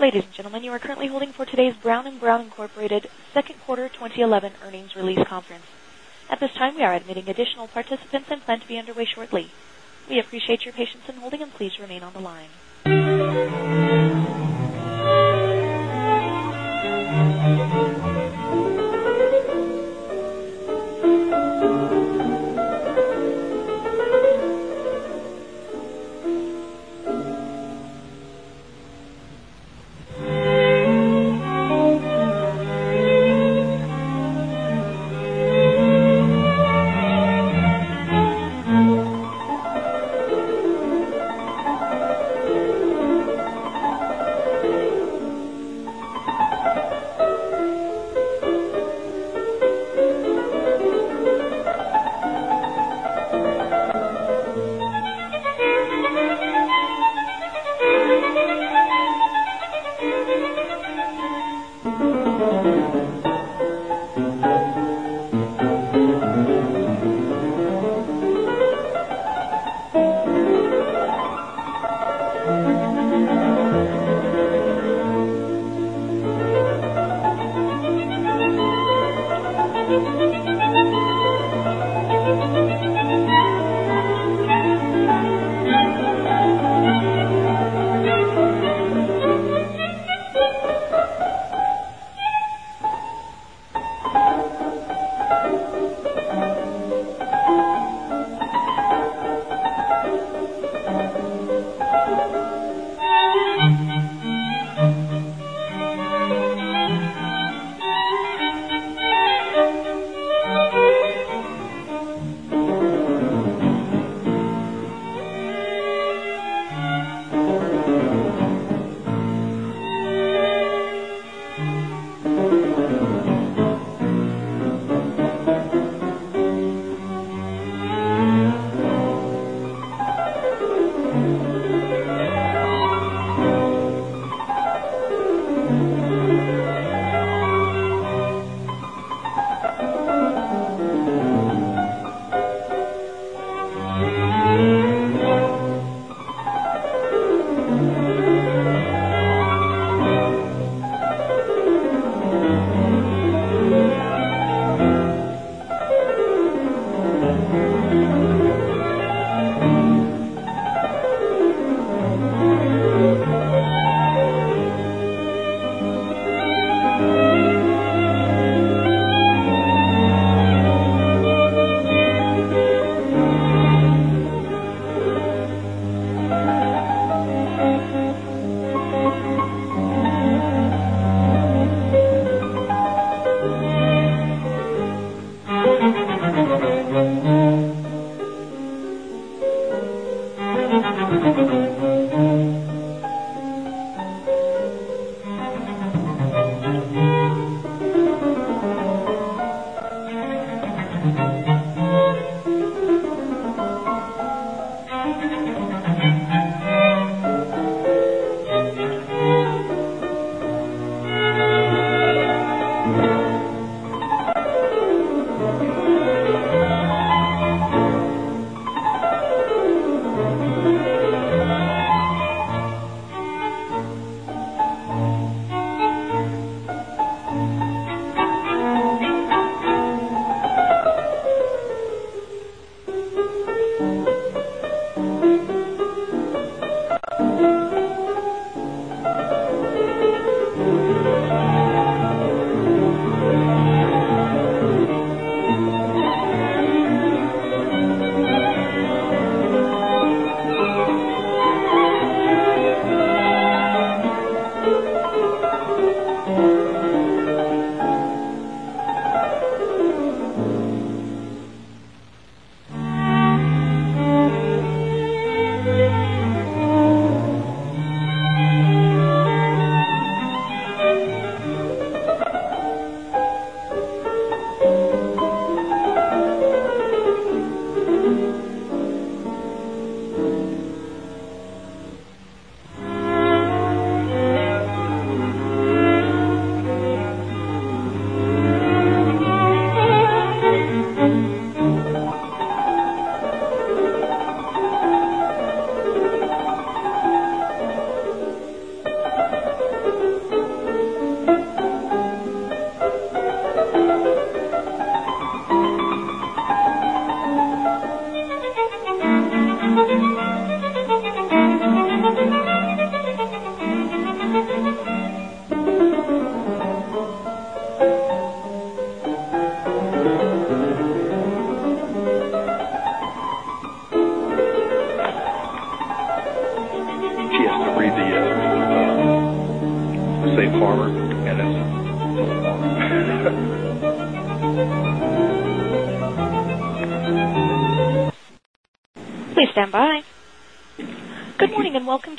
Ladies and gentlemen, you are currently holding for today's Brown & Brown, Inc. second quarter 2011 earnings release conference. At this time, we are admitting additional participants and plan to be underway shortly. We appreciate your patience in holding and please remain on the line.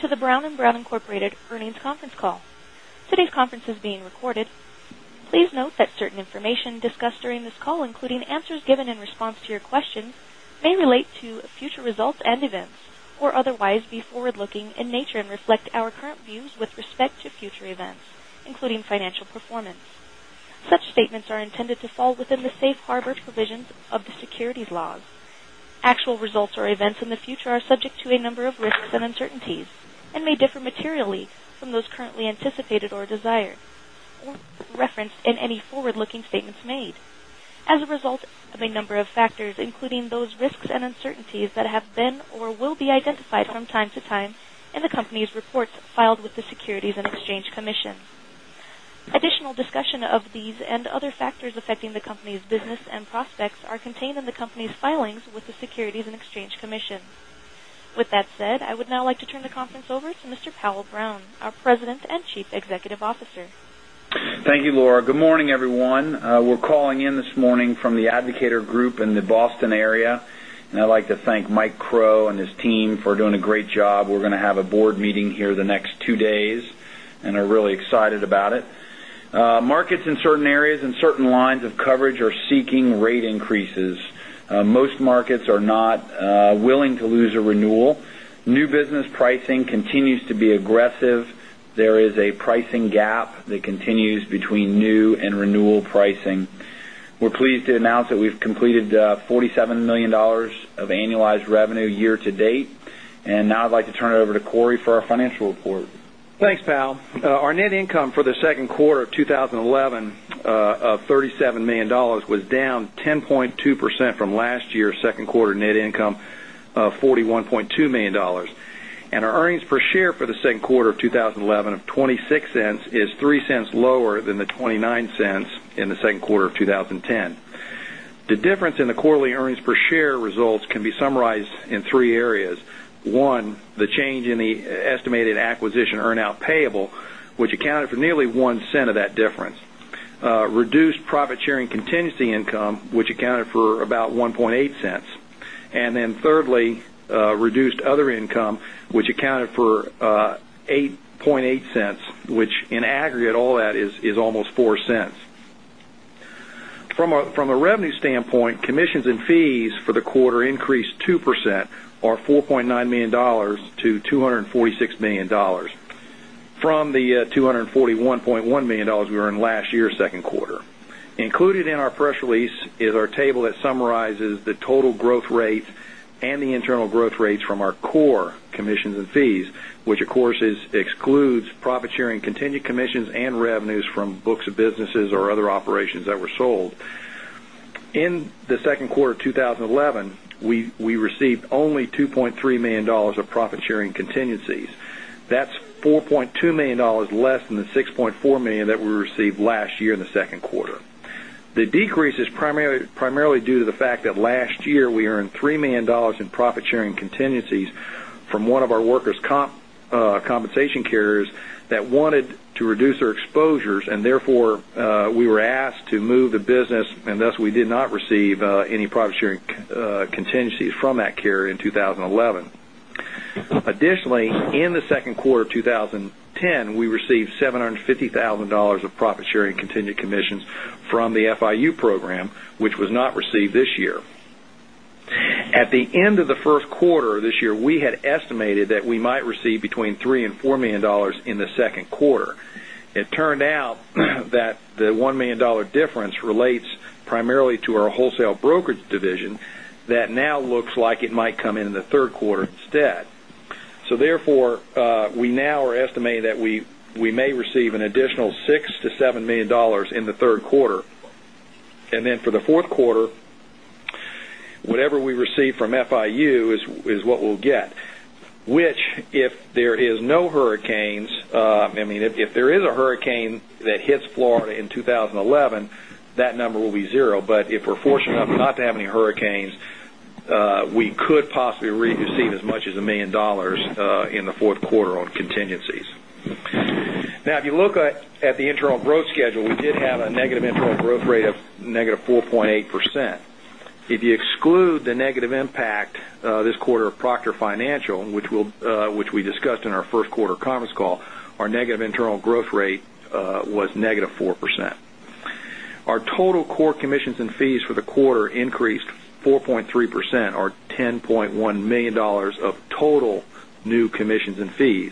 Please stand by. Good morning and welcome to the Brown & Brown, Inc. earnings conference call. Today's conference is being recorded. Please note that certain information discussed during this call, including answers given in response to your questions, may relate to future results and events or otherwise be forward-looking in nature and reflect our current views with respect to future events, including financial performance. Such statements are intended to fall within the safe harbor provisions of the securities laws. Actual results or events in the future are subject to a number of risks and uncertainties and may differ materially from those currently anticipated or desired, or referenced in any forward-looking statements made as a result of a number of factors, including those risks and uncertainties that have been or will be identified from time to time in the company's reports filed with the Securities and Exchange Commission. Additional discussion of these and other factors affecting the company's business and prospects are contained in the company's filings with the Securities and Exchange Commission. With that said, I would now like to turn the conference over to Mr. Powell Brown, our President and Chief Executive Officer. Thank you, Laura. Good morning, everyone. We're calling in this morning from the Advocator Group in the Boston area, and I'd like to thank Mike Crowe and his team for doing a great job. We're going to have a board meeting here the next two days, and are really excited about it. Markets in certain areas and certain lines of coverage are seeking rate increases. Most markets are not willing to lose a renewal. New business pricing continues to be aggressive. There is a pricing gap that continues between new and renewal pricing. We're pleased to announce that we've completed $47 million of annualized revenue year-to-date. Now I'd like to turn it over to Cory for our financial report. Thanks, Powell. Our net income for the second quarter of 2011 of $37 million was down 10.2% from last year's second quarter net income of $41.2 million. Our earnings per share for the second quarter of 2011 of $0.26 is $0.03 lower than the $0.29 in the second quarter of 2010. The difference in the quarterly earnings per share results can be summarized in three areas. One, the change in the estimated acquisition earnout payable, which accounted for nearly $0.01 of that difference. Reduced profit-sharing contingency income, which accounted for about $0.018. Thirdly, reduced other income, which accounted for $0.008, which in aggregate, all that is almost $0.04. From a revenue standpoint, commissions and fees for the quarter increased 2%, or $4.9 million to $246 million from the $241.1 million we earned last year's second quarter. Included in our press release is our table that summarizes the total growth rates and the internal growth rates from our core commissions and fees, which of course, excludes profit-sharing, contingent commissions, and revenues from books of businesses or other operations that were sold. In the second quarter of 2011, we received only $2.3 million of profit-sharing contingencies. That's $4.2 million less than the $6.4 million that we received last year in the second quarter. The decrease is primarily due to the fact that last year we earned $3 million in profit-sharing contingencies from one of the workers' compensation carriers that wanted to reduce their exposures. Therefore, we were asked to move the business. Thus, we did not receive any profit-sharing contingencies from that carrier in 2011. Additionally, in the second quarter of 2010, we received $750,000 of profit-sharing contingent commissions from the FIU program, which was not received this year. At the end of the first quarter this year, we had estimated that we might receive between $3 and $4 million in the second quarter. It turned out that the $1 million difference relates primarily to our wholesale brokerage division that now looks like it might come in the third quarter instead. Therefore, we now are estimating that we may receive an additional $6 to $7 million in the third quarter. Then for the fourth quarter, whatever we receive from FIU is what we'll get, which, if there is a hurricane that hits Florida in 2011, that number will be zero. If we're fortunate enough not to have any hurricanes, we could possibly receive as much as $1 million in the fourth quarter on contingencies. If you look at the internal growth schedule, we did have a negative internal growth rate of -4.8%. If you exclude the negative impact this quarter of Proctor Financial, which we discussed in our first quarter conference call, our negative internal growth rate was -4%. Our total core commissions and fees for the quarter increased 4.3%, or $10.1 million of total new commissions and fees.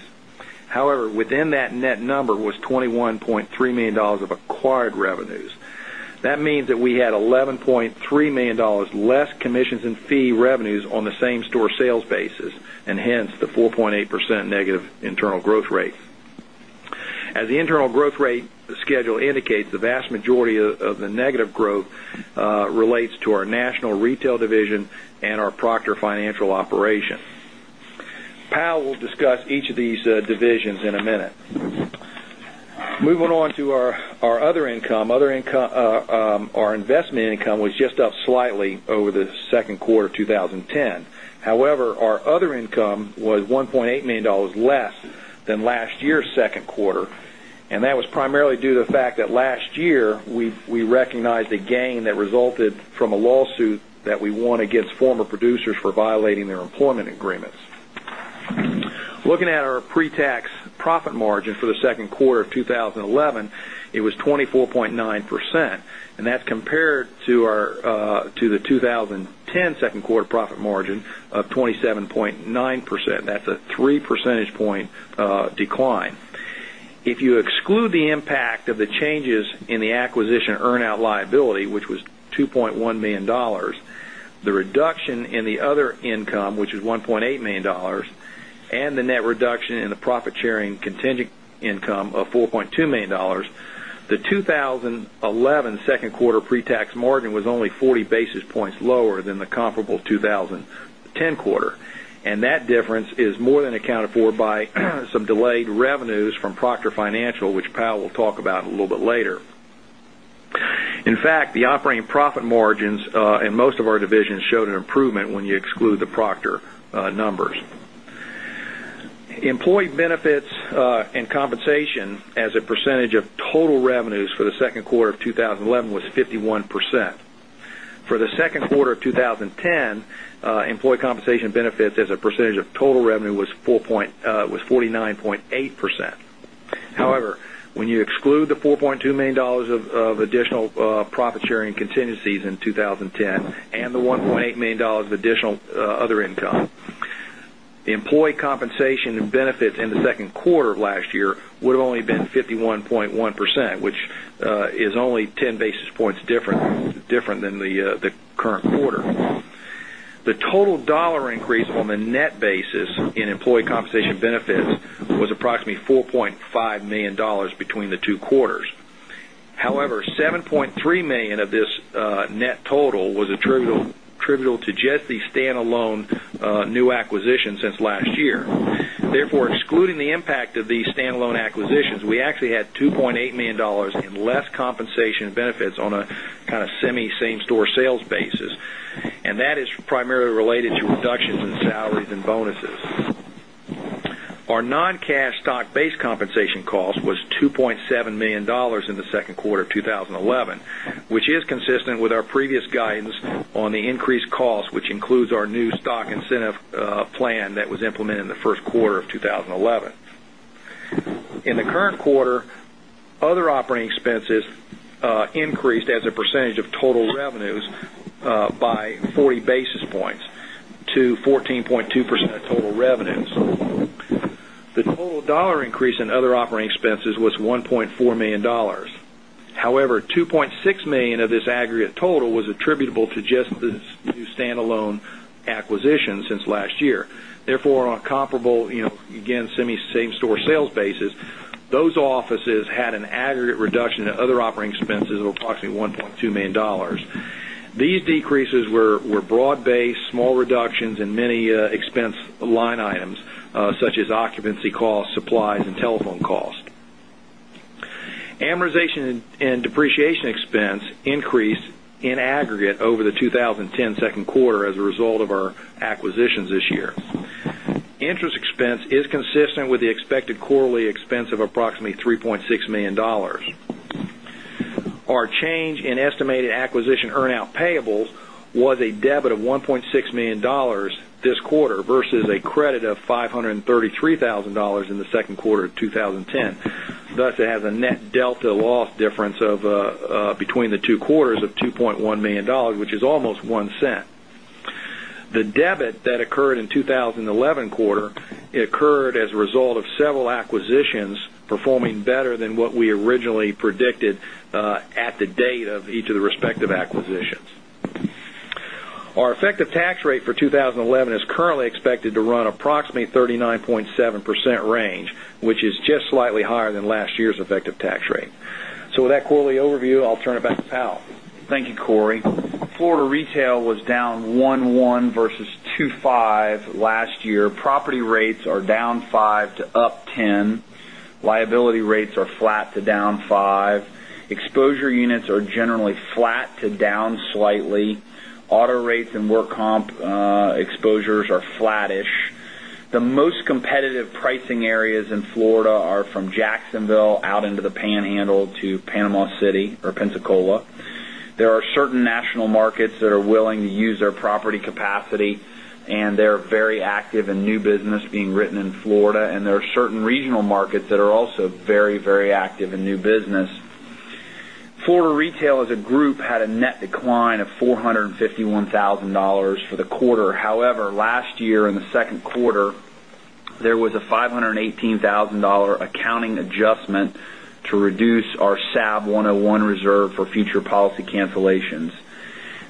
Within that net number was $21.3 million of acquired revenues. That means that we had $11.3 million less commissions and fee revenues on the same-store sales basis. Hence the 4.8% negative internal growth rate. As the internal growth rate schedule indicates, the vast majority of the negative growth relates to our National Retail Division and our Proctor Financial operation. Powell will discuss each of these divisions in a minute. Moving on to our other income. Our investment income was just up slightly over the second quarter of 2010. Our other income was $1.8 million less than last year's second quarter. That was primarily due to the fact that last year we recognized a gain that resulted from a lawsuit that we won against former producers for violating their employment agreements. Looking at our pre-tax profit margin for the second quarter of 2011, it was 24.9%. That's compared to the 2010 second quarter profit margin of 27.9%. That's a 3 percentage point decline. If you exclude the impact of the changes in the acquisition earn-out liability, which was $2.1 million, the reduction in the other income, which was $1.8 million, and the net reduction in the profit-sharing contingent income of $4.2 million, the 2011 second quarter pre-tax margin was only 40 basis points lower than the comparable 2010 quarter. That difference is more than accounted for by some delayed revenues from Proctor Financial, which Powell will talk about a little bit later. In fact, the operating profit margins in most of our divisions showed an improvement when you exclude the Proctor numbers. Employee benefits and compensation as a percentage of total revenues for the second quarter of 2011 was 51%. For the second quarter of 2010, employee compensation benefits as a percentage of total revenue was 49.8%. When you exclude the $4.2 million of additional profit-sharing contingencies in 2010 and the $1.8 million of additional other income, the employee compensation benefits in the second quarter of last year would've only been 51.1%, which is only 10 basis points different than the current quarter. The total dollar increase on the net basis in employee compensation benefits was approximately $4.5 million between the two quarters. $7.3 million of this net total was attributable to just the standalone new acquisitions since last year. Excluding the impact of these standalone acquisitions, we actually had $2.8 million in less compensation benefits on a semi same-store sales basis, that is primarily related to reductions in salaries and bonuses. Our non-cash stock-based compensation cost was $2.7 million in the second quarter of 2011, which is consistent with our previous guidance on the increased cost, which includes our new stock incentive plan that was implemented in the first quarter of 2011. In the current quarter, other operating expenses increased as a percentage of total revenues by 40 basis points to 14.2% of total revenues. The total dollar increase in other operating expenses was $1.4 million. $2.6 million of this aggregate total was attributable to just the new standalone acquisitions since last year. On a comparable, again, semi same-store sales basis, those offices had an aggregate reduction in other operating expenses of approximately $1.2 million. These decreases were broad-based, small reductions in many expense line items such as occupancy costs, supplies, and telephone costs. Amortization and depreciation expense increased in aggregate over the 2010 second quarter as a result of our acquisitions this year. Interest expense is consistent with the expected quarterly expense of approximately $3.6 million. Our change in estimated acquisition earn-out payables was a debit of $1.6 million this quarter versus a credit of $533,000 in the second quarter of 2010. It has a net delta loss difference between the two quarters of $2.1 million, which is almost $0.01. The debit that occurred in 2011 quarter occurred as a result of several acquisitions performing better than what we originally predicted at the date of each of the respective acquisitions. Our effective tax rate for 2011 is currently expected to run approximately 39.7% range, which is just slightly higher than last year's effective tax rate. With that quarterly overview, I'll turn it back to Powell. Thank you, Cory. Florida retail was down 1.1% versus 2.5% last year. Property rates are down 5% to up 10%. Liability rates are flat to down 5%. Exposure units are generally flat to down slightly. Auto rates and work comp exposures are flattish. The most competitive pricing areas in Florida are from Jacksonville out into the Panhandle to Panama City or Pensacola. There are certain national markets that are willing to use their property capacity, and they're very active in new business being written in Florida, and there are certain regional markets that are also very active in new business. Florida retail as a group, had a net decline of $451,000 for the quarter. However, last year in the second quarter, there was a $518,000 accounting adjustment to reduce our SAB 101 reserve for future policy cancellations.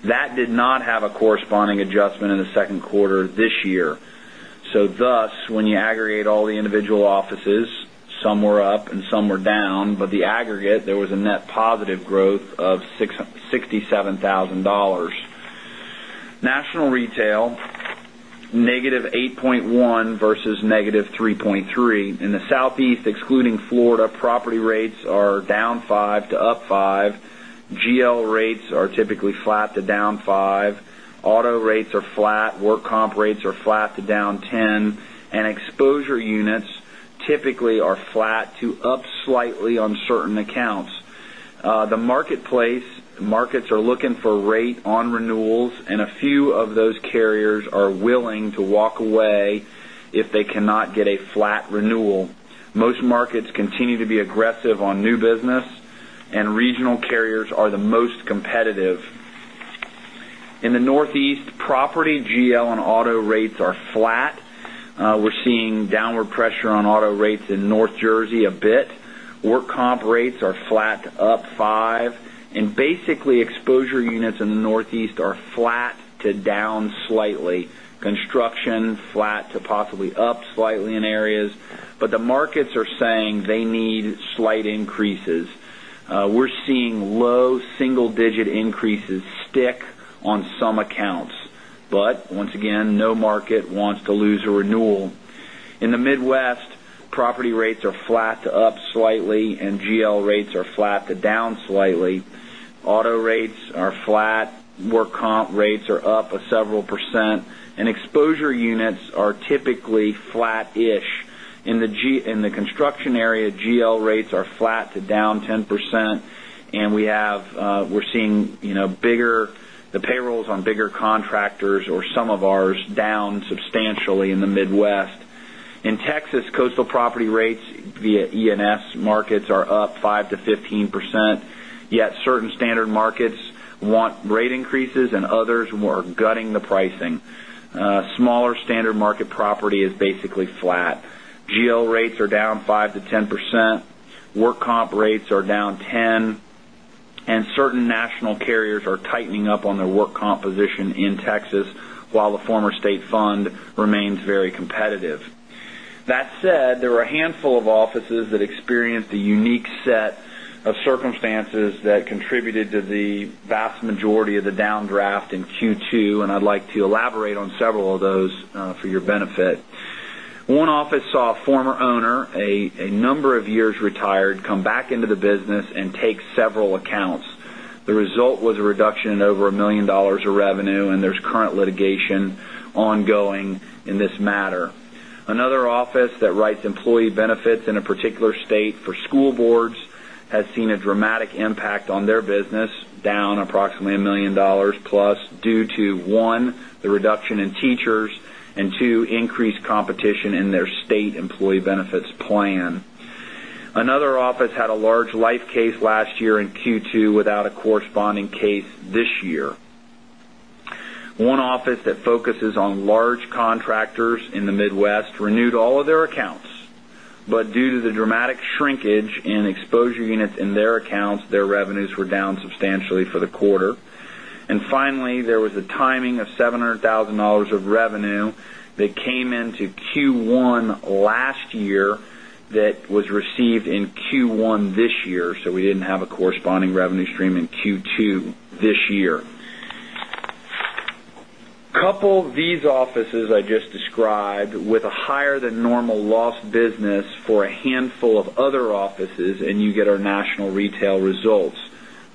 That did not have a corresponding adjustment in the second quarter this year. Thus, when you aggregate all the individual offices, some were up and some were down, but the aggregate, there was a net positive growth of $67,000. National retail, -8.1% versus -3.3%. In the Southeast, excluding Florida, property rates are down 5% to up 5%. GL rates are typically flat to down 5%. Auto rates are flat. Work comp rates are flat to down 10%, and exposure units typically are flat to up slightly on certain accounts. The marketplace markets are looking for rate on renewals, and a few of those carriers are willing to walk away if they cannot get a flat renewal. Most markets continue to be aggressive on new business, and regional carriers are the most competitive. In the Northeast, property GL and auto rates are flat. We're seeing downward pressure on auto rates in North Jersey a bit. Work comp rates are flat to up 5%. Basically, exposure units in the Northeast are flat to down slightly. Construction, flat to possibly up slightly in areas. The markets are saying they need slight increases. We're seeing low single-digit increases stick on some accounts. Once again, no market wants to lose a renewal. In the Midwest, property rates are flat to up slightly, and GL rates are flat to down slightly. Auto rates are flat. Work comp rates are up a several percent, and exposure units are typically flat-ish. In the construction area, GL rates are flat to down 10%, and we're seeing the payrolls on bigger contractors or some of ours down substantially in the Midwest. In Texas, coastal property rates via E&S markets are up 5% to 15%, yet certain standard markets want rate increases and others are gutting the pricing. Smaller standard market property is basically flat. GL rates are down 5% to 10%. Work comp rates are down 10%, and certain national carriers are tightening up on their work composition in Texas, while the former state fund remains very competitive. That said, there were a handful of offices that experienced a unique set of circumstances that contributed to the vast majority of the downdraft in Q2, and I'd like to elaborate on several of those for your benefit. One office saw a former owner, a number of years retired, come back into the business and take several accounts. The result was a reduction in over $1 million of revenue, and there's current litigation ongoing in this matter. Another office that writes employee benefits in a particular state for school boards has seen a dramatic impact on their business, down approximately $1 million plus, due to, one, the reduction in teachers, and two, increased competition in their state employee benefits plan. Another office had a large life case last year in Q2 without a corresponding case this year. One office that focuses on large contractors in the Midwest renewed all of their accounts, but due to the dramatic shrinkage in exposure units in their accounts, their revenues were down substantially for the quarter. Finally, there was a timing of $700,000 of revenue that came into Q1 last year that was received in Q1 this year, so we didn't have a corresponding revenue stream in Q2 this year. Couple these offices I just described with a higher than normal loss business for a handful of other offices, and you get our national retail results.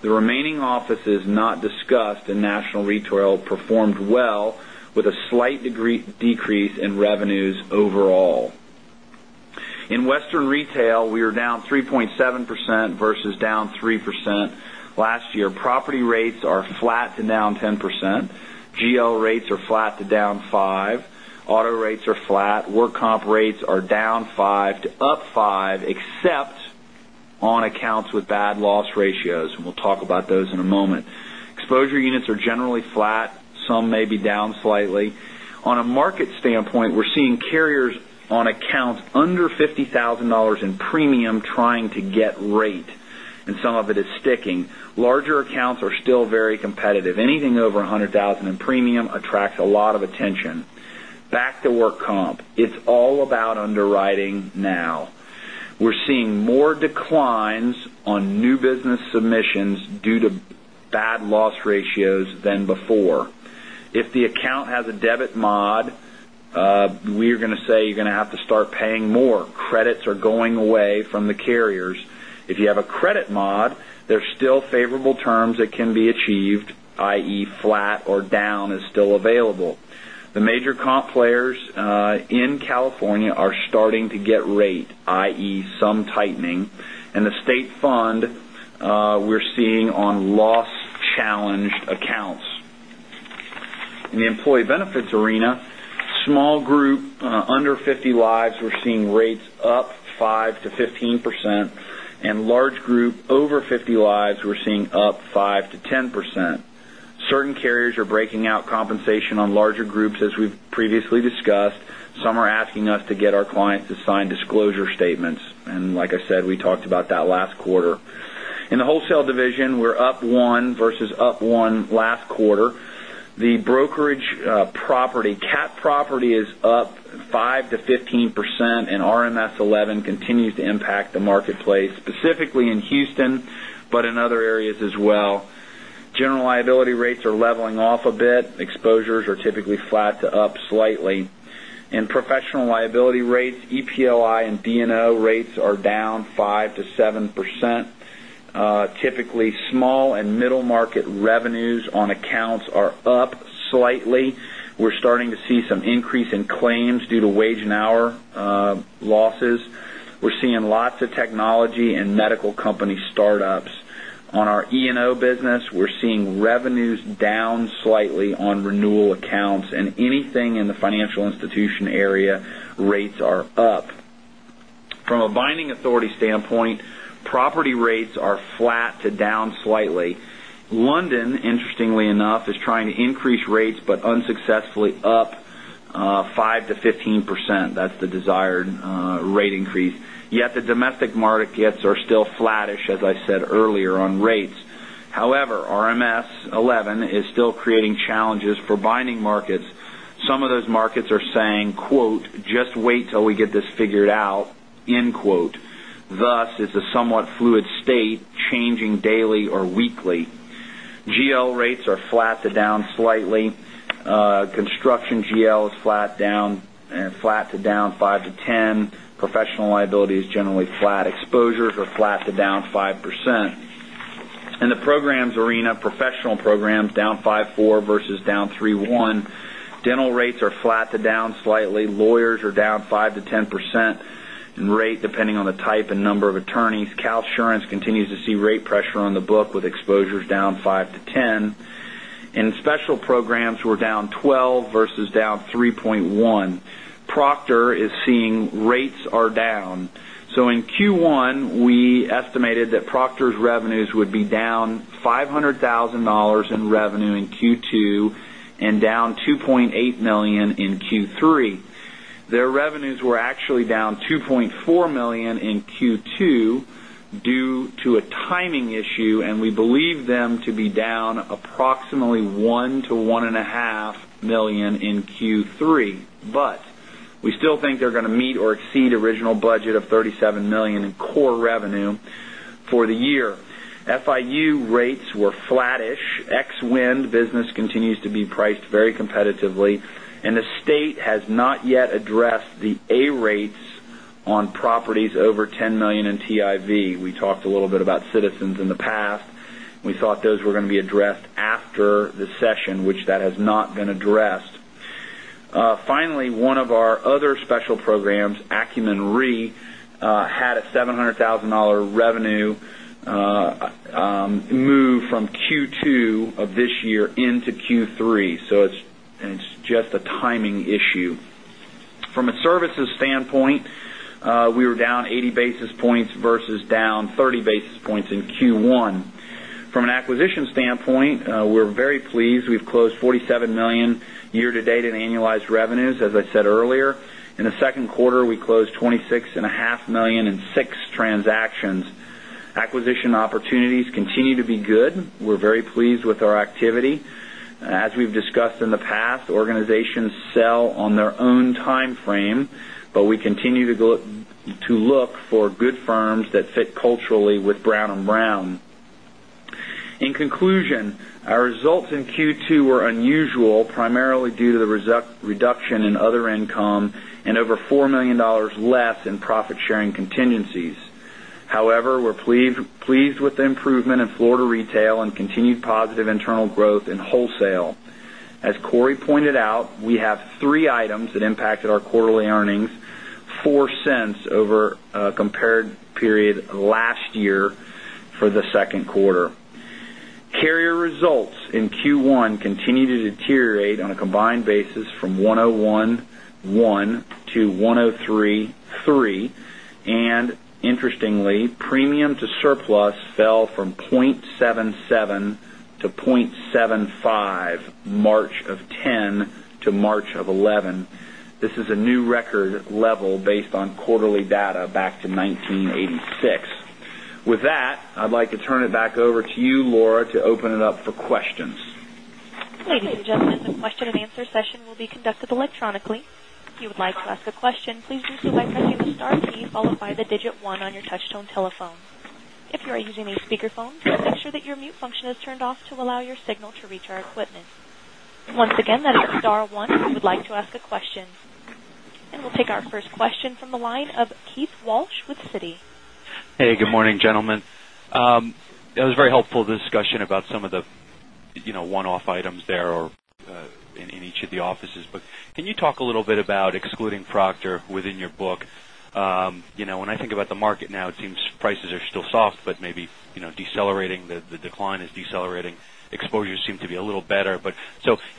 The remaining offices not discussed in national retail performed well, with a slight decrease in revenues overall. In Western retail, we are down 3.7% versus down 3% last year. Property rates are flat to down 10%. GL rates are flat to down 5%. Auto rates are flat. Work comp rates are down 5%-5%, except on accounts with bad loss ratios, and we'll talk about those in a moment. Exposure units are generally flat, some may be down slightly. On a market standpoint, we're seeing carriers on accounts under $50,000 in premium trying to get rate, and some of it is sticking. Larger accounts are still very competitive. Anything over $100,000 in premium attracts a lot of attention. Back to work comp. It's all about underwriting now. We're seeing more declines on new business submissions due to bad loss ratios than before. If the account has a debit mod, we're going to say, "You're going to have to start paying more." Credits are going away from the carriers. If you have a credit mod, there's still favorable terms that can be achieved, i.e., flat or down is still available. The major comp players in California are starting to get rate, i.e., some tightening. In the state fund, we're seeing on loss challenge accounts. In the employee benefits arena, small group under 50 lives, we're seeing rates up 5%-15%, and large group over 50 lives, we're seeing up 5%-10%. Certain carriers are breaking out compensation on larger groups, as we've previously discussed. Some are asking us to get our clients to sign disclosure statements. Like I said, we talked about that last quarter. In the wholesale division, we're up one versus up one last quarter. The brokerage property, cat property is up 5%-15%, and RMS 11 continues to impact the marketplace, specifically in Houston, but in other areas as well. General liability rates are leveling off a bit. Exposures are typically flat to up slightly. In professional liability rates, EPLI and D&O rates are down 5%-7%. Typically, small and middle market revenues on accounts are up slightly. We're starting to see some increase in claims due to wage and hour losses. We're seeing lots of technology and medical company startups. On our E&O business, we're seeing revenues down slightly on renewal accounts, and anything in the financial institution area, rates are up. From a binding authority standpoint, property rates are flat to down slightly. London, interestingly enough, is trying to increase rates, unsuccessfully, up 5%-15%. That's the desired rate increase. The domestic markets are still flattish, as I said earlier on rates. RMS v11.0 is still creating challenges for binding markets. Some of those markets are saying, "Just wait till we get this figured out." It's a somewhat fluid state, changing daily or weekly. GL rates are flat to down slightly. Construction GL is flat to down 5%-10%. Professional liability is generally flat. Exposures are flat to down 5%. In the programs arena, professional programs down 5.4% versus down 3.1%. Dental rates are flat to down slightly. Lawyers are down 5%-10% in rate, depending on the type and number of attorneys. CalSurance Associates continues to see rate pressure on the book with exposures down 5%-10%. In special programs, we're down 12% versus down 3.1%. Proctor is seeing rates are down. In Q1, we estimated that Proctor's revenues would be down $500,000 in revenue in Q2 and down $2.8 million in Q3. Their revenues were actually down $2.4 million in Q2 due to a timing issue, and we believe them to be down approximately $1 million to $1.5 million in Q3. We still think they're going to meet or exceed original budget of $37 million in core revenue for the year. FIU rates were flattish. Ex-wind business continues to be priced very competitively, the state has not yet addressed the A rates on properties over $10 million in TIV. We talked a little bit about Citizens in the past. We thought those were going to be addressed after the session, which that has not been addressed. Finally, one of our other special programs, Acumen RE Management, had a $700,000 revenue move from Q2 of this year into Q3. It's just a timing issue. From a services standpoint, we were down 80 basis points versus down 30 basis points in Q1. From an acquisition standpoint, we're very pleased. We've closed $47 million year to date in annualized revenues, as I said earlier. In the second quarter, we closed $26.5 million in six transactions. Acquisition opportunities continue to be good. We're very pleased with our activity. As we've discussed in the past, organizations sell on their own timeframe, we continue to look for good firms that fit culturally with Brown & Brown. In conclusion, our results in Q2 were unusual, primarily due to the reduction in other income and over $4 million less in profit-sharing contingencies. We're pleased with the improvement in Florida retail and continued positive internal growth in wholesale. As Cory pointed out, we have three items that impacted our quarterly earnings $0.04 over a compared period last year for the second quarter. Carrier results in Q1 continue to deteriorate on a combined basis from 101.1 to 103.3, interestingly, premium to surplus fell from 0.77 to 0.75, March of 2010 to March of 2011. This is a new record level based on quarterly data back to 1986. With that, I'd like to turn it back over to you, Laura, to open it up for questions. Ladies and gentlemen, the question and answer session will be conducted electronically. If you would like to ask a question, please do so by pressing the star key followed by the digit 1 on your touch-tone telephone. If you are using a speakerphone, make sure that your mute function is turned off to allow your signal to reach our equipment. Once again, that is star 1 if you would like to ask a question. We'll take our first question from the line of Keith Walsh with Citi. Hey, good morning, gentlemen. It was a very helpful discussion about some of the one-off items there or in each of the offices. Can you talk a little bit about excluding Proctor within your book? When I think about the market now, it seems prices are still soft, but maybe decelerating, the decline is decelerating. Exposures seem to be a little better.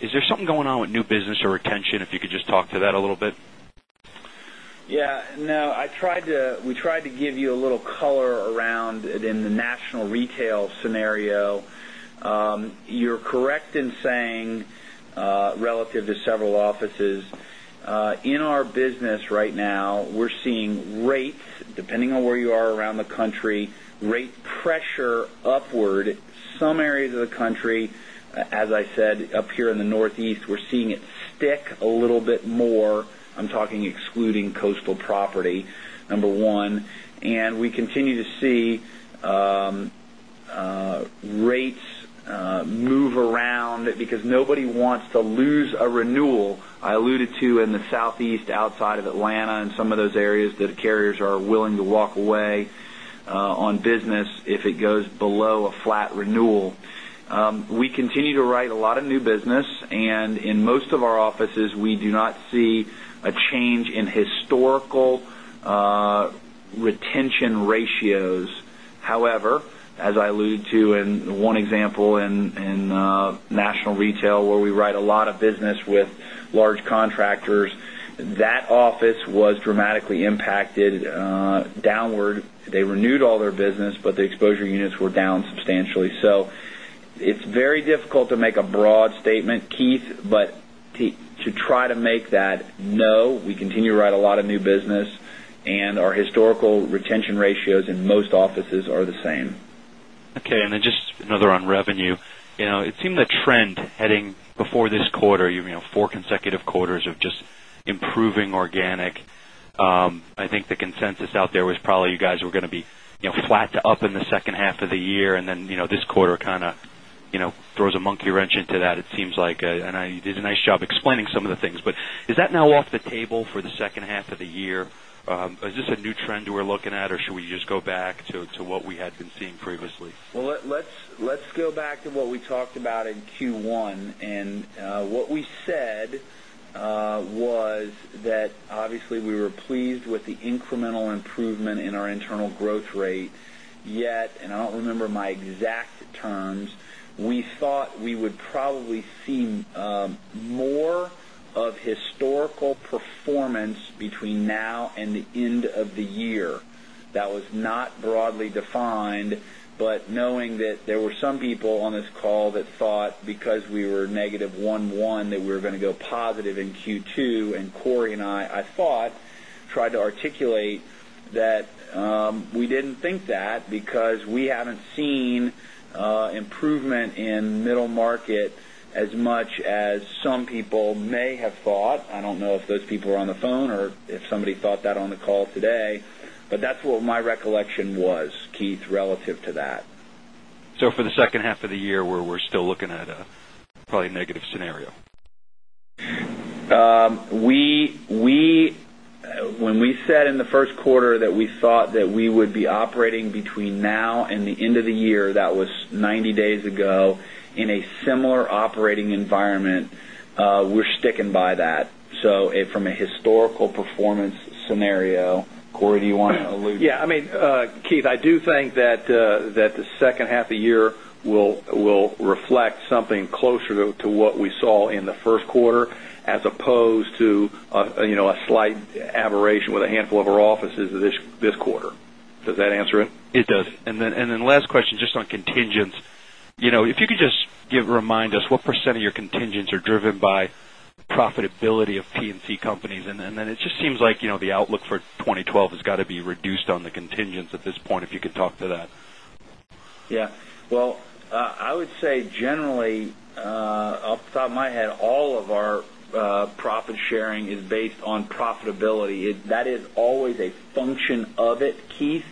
Is there something going on with new business or retention? If you could just talk to that a little bit. Yeah, no, we tried to give you a little color around it in the national retail scenario. You're correct in saying relative to several offices. In our business right now, we're seeing rates, depending on where you are around the country, rate pressure upward some areas of the country. As I said, up here in the Northeast, we're seeing it stick a little bit more. I'm talking excluding coastal property, number 1, and we continue to see rates move around because nobody wants to lose a renewal. I alluded to in the Southeast outside of Atlanta and some of those areas that carriers are willing to walk away on business if it goes below a flat renewal. We continue to write a lot of new business, and in most of our offices, we do not see a change in historical retention ratios. However, as I allude to in 1 example in national retail, where we write a lot of business with large contractors, that office was dramatically impacted downward. They renewed all their business, but the exposure units were down substantially. It's very difficult to make a broad statement, Keith. We continue to write a lot of new business, and our historical retention ratios in most offices are the same. Okay. Just another on revenue. It seemed the trend heading before this quarter, four consecutive quarters of just improving organic. I think the consensus out there was probably you guys were going to be flat to up in the second half of the year, this quarter kind of throws a monkey wrench into that, it seems like. You did a nice job explaining some of the things, but is that now off the table for the second half of the year? Is this a new trend we're looking at, or should we just go back to what we had been seeing previously? Well, let's go back to what we talked about in Q1. What we said was that obviously we were pleased with the incremental improvement in our internal growth rate. Yet, I don't remember my exact terms, we thought we would probably see more of historical performance between now and the end of the year. That was not broadly defined, but knowing that there were some people on this call that thought because we were negative 1.1, that we were going to go positive in Q2. Cory and I thought, tried to articulate that we didn't think that because we haven't seen improvement in middle market as much as some people may have thought. I don't know if those people are on the phone or if somebody thought that on the call today. That's what my recollection was, Keith, relative to that. For the second half of the year, we're still looking at probably a negative scenario. When we said in the first quarter that we thought that we would be operating between now and the end of the year, that was 90 days ago, in a similar operating environment, we're sticking by that. From a historical performance scenario, Cory, do you want to allude to that? Yeah. Keith, I do think that the second half of the year will reflect something closer to what we saw in the first quarter as opposed to a slight aberration with a handful of our offices this quarter. Does that answer it? It does. Last question, just on contingents. If you could just remind us what % of your contingents are driven by profitability of P&C companies. It just seems like, the outlook for 2012 has got to be reduced on the contingents at this point, if you could talk to that. Yeah. Well, I would say generally, off the top of my head, all of our profit sharing is based on profitability. That is always a function of it, Keith.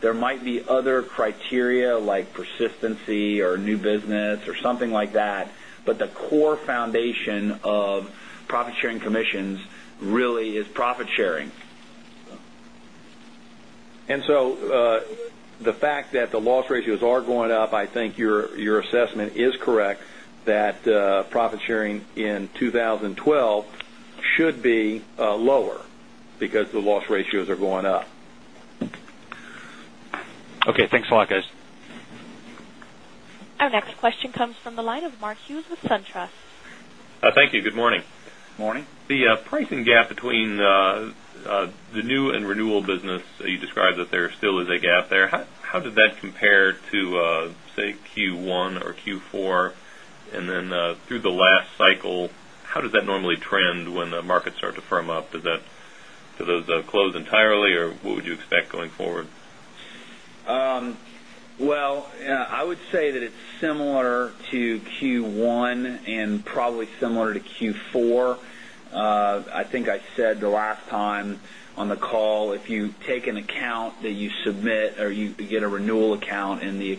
There might be other criteria like persistency or new business or something like that, but the core foundation of profit-sharing commissions really is profit sharing. The fact that the loss ratios are going up, I think your assessment is correct that profit sharing in 2012 should be lower because the loss ratios are going up. Okay. Thanks a lot, guys. Our next question comes from the line of Mark Hughes with SunTrust. Thank you. Good morning. Morning. The pricing gap between the new and renewal business, you described that there still is a gap there. How did that compare to, say, Q1 or Q4? Then through the last cycle, how does that normally trend when the markets start to firm up? Does those close entirely, or what would you expect going forward? Well, I would say that it's similar to Q1 and probably similar to Q4. I think I said the last time on the call, if you take an account that you submit or you get a renewal account and the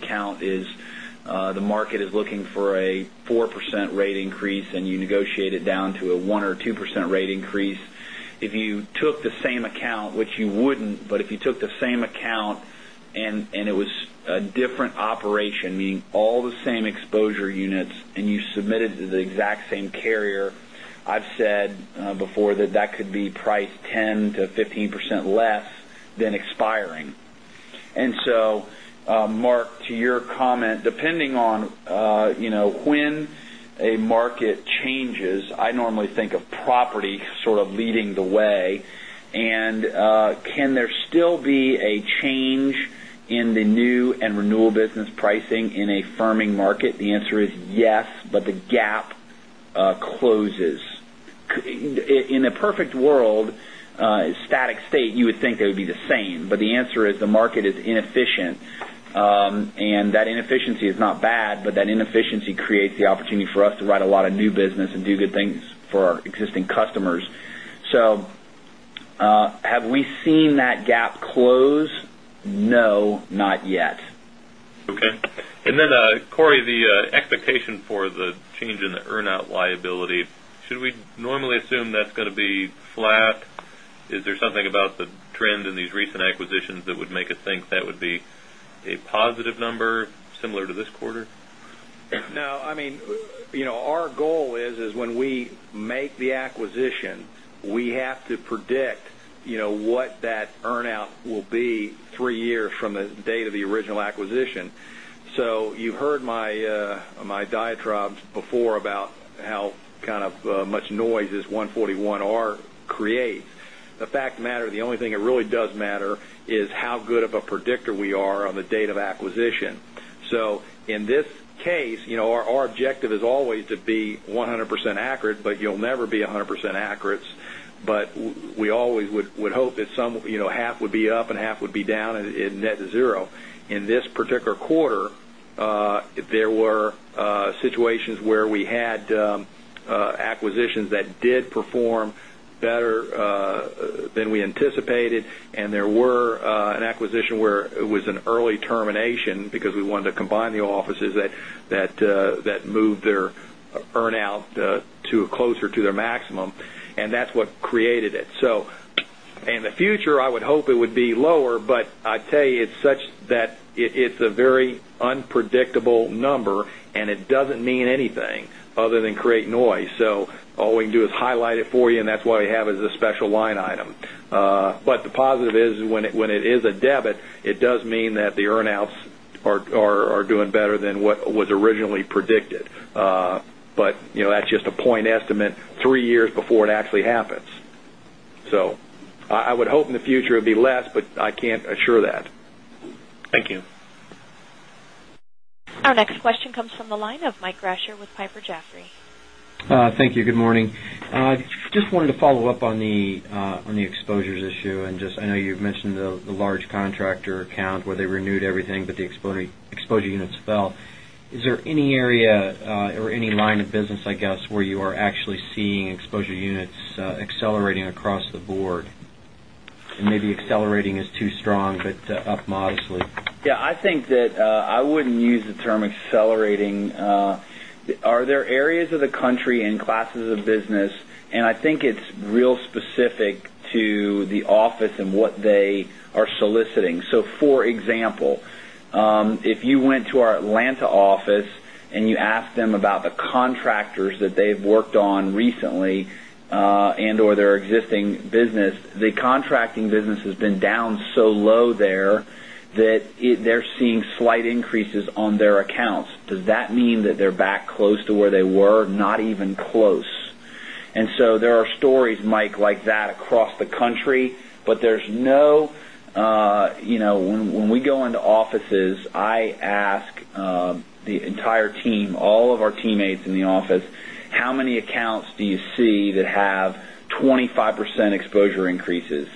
market is looking for a 4% rate increase and you negotiate it down to a 1% or 2% rate increase. If you took the same account, which you wouldn't, but if you took the same account and it was a different operation, meaning all the same exposure units, and you submitted to the exact same carrier, I've said before that that could be priced 10%-15% less than expiring. Mark, to your comment, depending on when a market changes, I normally think of property sort of leading the way, and can there still be a change in the new and renewal business pricing in a firming market? The answer is yes, the gap closes. In a perfect world, static state, you would think they would be the same, but the answer is the market is inefficient. That inefficiency is not bad, but that inefficiency creates the opportunity for us to write a lot of new business and do good things for our existing customers. Have we seen that gap close? No, not yet. Okay. Corey, the expectation for the change in the earn-out liability, should we normally assume that's going to be flat? Is there something about the trend in these recent acquisitions that would make us think that would be a positive number similar to this quarter? No, our goal is when we make the acquisition, we have to predict what that earn-out will be three years from the date of the original acquisition. You've heard my diatribes before about how much noise this 141 R creates. The fact of the matter, the only thing that really does matter is how good of a predictor we are on the date of acquisition. In this case, our objective is always to be 100% accurate, but you'll never be 100% accurate. We always would hope that half would be up and half would be down and net to zero. In this particular quarter, there were situations where we had acquisitions that did perform better than we anticipated, and there were an acquisition where it was an early termination because we wanted to combine the offices that moved their earn-out closer to their maximum, and that's what created it. In the future, I would hope it would be lower, but I tell you, it's such that it's a very unpredictable number, and it doesn't mean anything other than create noise. All we can do is highlight it for you, and that's why we have it as a special line item. But the positive is when it is a debit, it does mean that the earn-outs are doing better than what was originally predicted. But that's just a point estimate 3 years before it actually happens. I would hope in the future it'd be less, but I can't assure that. Thank you. Our next question comes from the line of Michael Grasher with Piper Jaffray. Thank you. Good morning. Just wanted to follow up on the exposures issue. I know you've mentioned the large contractor account where they renewed everything, but the exposure units fell. Is there any area or any line of business, I guess, where you are actually seeing exposure units accelerating across the board? Maybe accelerating is too strong, but up modestly. Yeah, I think that I wouldn't use the term accelerating. Are there areas of the country and classes of business, and I think it's real specific to the office and what they are soliciting. For example, if you went to our Atlanta office and you asked them about the contractors that they've worked on recently and/or their existing business, the contracting business has been down so low there that they're seeing slight increases on their accounts. Does that mean that they're back close to where they were? Not even close. There are stories, Mike, like that across the country, but when we go into offices, I ask the entire team, all of our teammates in the office, how many accounts do you see that have 25% exposure increases?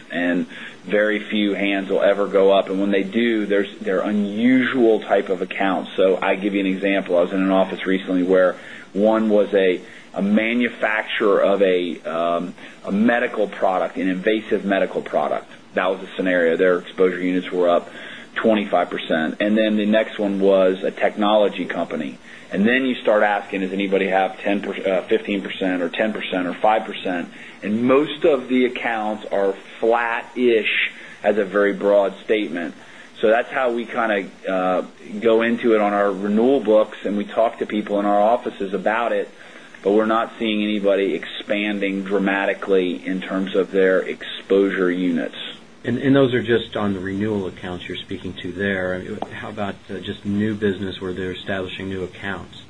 Very few hands will ever go up. When they do, they're unusual type of accounts. I give you an example. I was in an office recently where one was a manufacturer of a medical product, an invasive medical product. That was the scenario. Their exposure units were up 25%. The next one was a technology company. You start asking, does anybody have 15% or 10% or 5%? Most of the accounts are flat-ish as a very broad statement. That's how we go into it on our renewal books, and we talk to people in our offices about it, but we're not seeing anybody expanding dramatically in terms of their exposure units. Those are just on the renewal accounts you're speaking to there. How about just new business where they're establishing new accounts?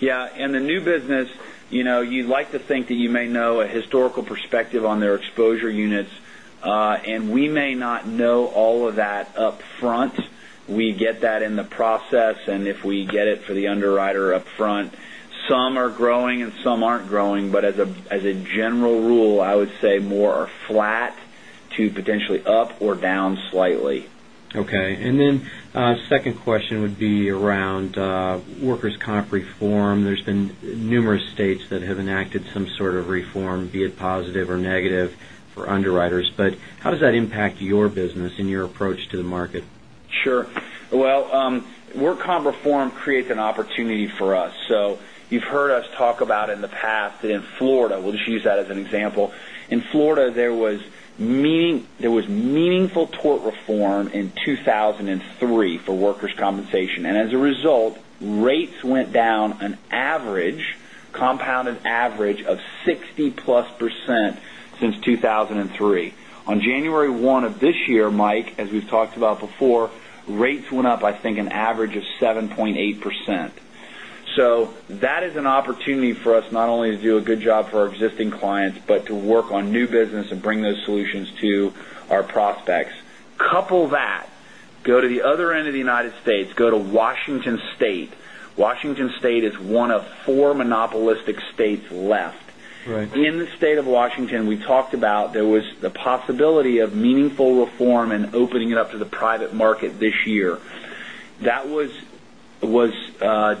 Yeah. In the new business, you'd like to think that you may know a historical perspective on their exposure units. We may not know all of that up front. We get that in the process, and if we get it for the underwriter upfront, some are growing and some aren't growing. As a general rule, I would say more are flat to potentially up or down slightly. Okay. Second question would be around workers' comp reform. There's been numerous states that have enacted some sort of reform, be it positive or negative for underwriters. How does that impact your business and your approach to the market? Sure. Well, work comp reform creates an opportunity for us. You've heard us talk about in the past in Florida, we'll just use that as an example. In Florida, there was meaningful tort reform in 2003 for workers' compensation. As a result, rates went down an average, compounded average, of 60+% since 2003. On January 1 of this year, Mike, as we've talked about before, rates went up, I think, an average of 7.8%. That is an opportunity for us not only to do a good job for our existing clients, but to work on new business and bring those solutions to our prospects. Couple that, go to the other end of the United States, go to Washington State. Washington State is one of four monopolistic states left. Right. In the state of Washington, we talked about there was the possibility of meaningful reform and opening it up to the private market this year. That was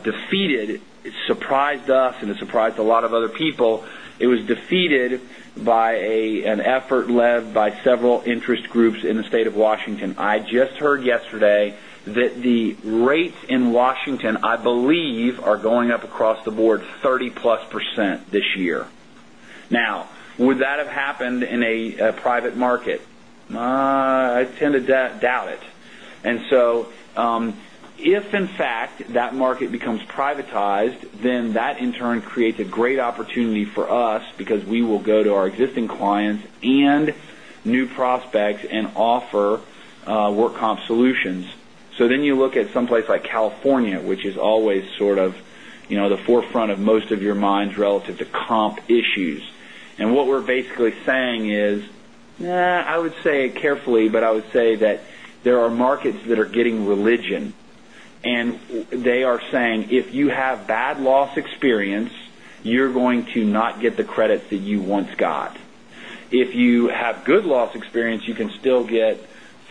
defeated. It surprised us, and it surprised a lot of other people. It was defeated by an effort led by several interest groups in the state of Washington. I just heard yesterday that the rates in Washington, I believe, are going up across the board 30+% this year. Would that have happened in a private market? I tend to doubt it. If in fact that market becomes privatized, that in turn creates a great opportunity for us because we will go to our existing clients and new prospects and offer work comp solutions. You look at someplace like California, which is always sort of the forefront of most of your minds relative to comp issues. What we're basically saying is, I would say carefully, but I would say that there are markets that are getting religion, and they are saying, if you have bad loss experience, you're going to not get the credits that you once got. If you have good loss experience, you can still get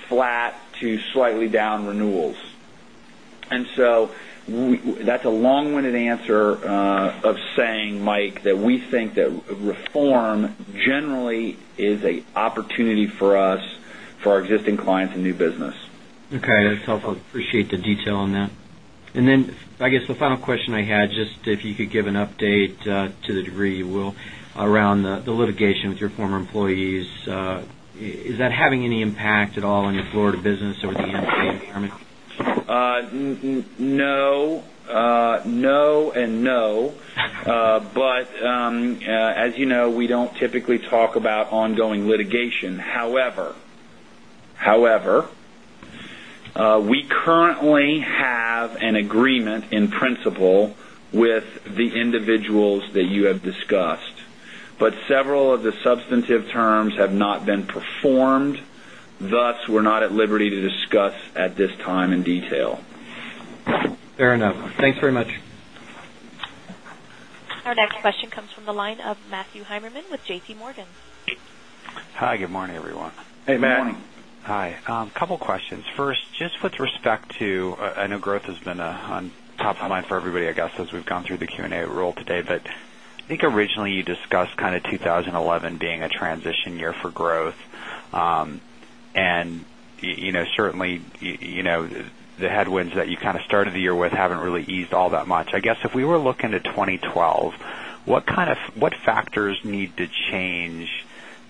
flat to slightly down renewals. That's a long-winded answer of saying, Mike, that we think that reform generally is an opportunity for us, for our existing clients and new business. That's helpful. Appreciate the detail on that. I guess the final question I had, just if you could give an update to the degree you will, around the litigation with your former employees. Is that having any impact at all on your Florida business or the MC environment? As you know, we don't typically talk about ongoing litigation. However, we currently have an agreement in principle with the individuals that you have discussed. Several of the substantive terms have not been performed, thus, we're not at liberty to discuss at this time in detail. Fair enough. Thanks very much. Our next question comes from the line of Matthew Heimermann with JPMorgan. Hi, good morning, everyone. Hey, Matt. Good morning. Hi. Couple questions. First, just with respect to, I know growth has been on top of mind for everybody, I guess, as we've gone through the Q&A roll today. I think originally you discussed kind of 2011 being a transition year for growth. Certainly, the headwinds that you kind of started the year with haven't really eased all that much. I guess if we were looking to 2012, what factors need to change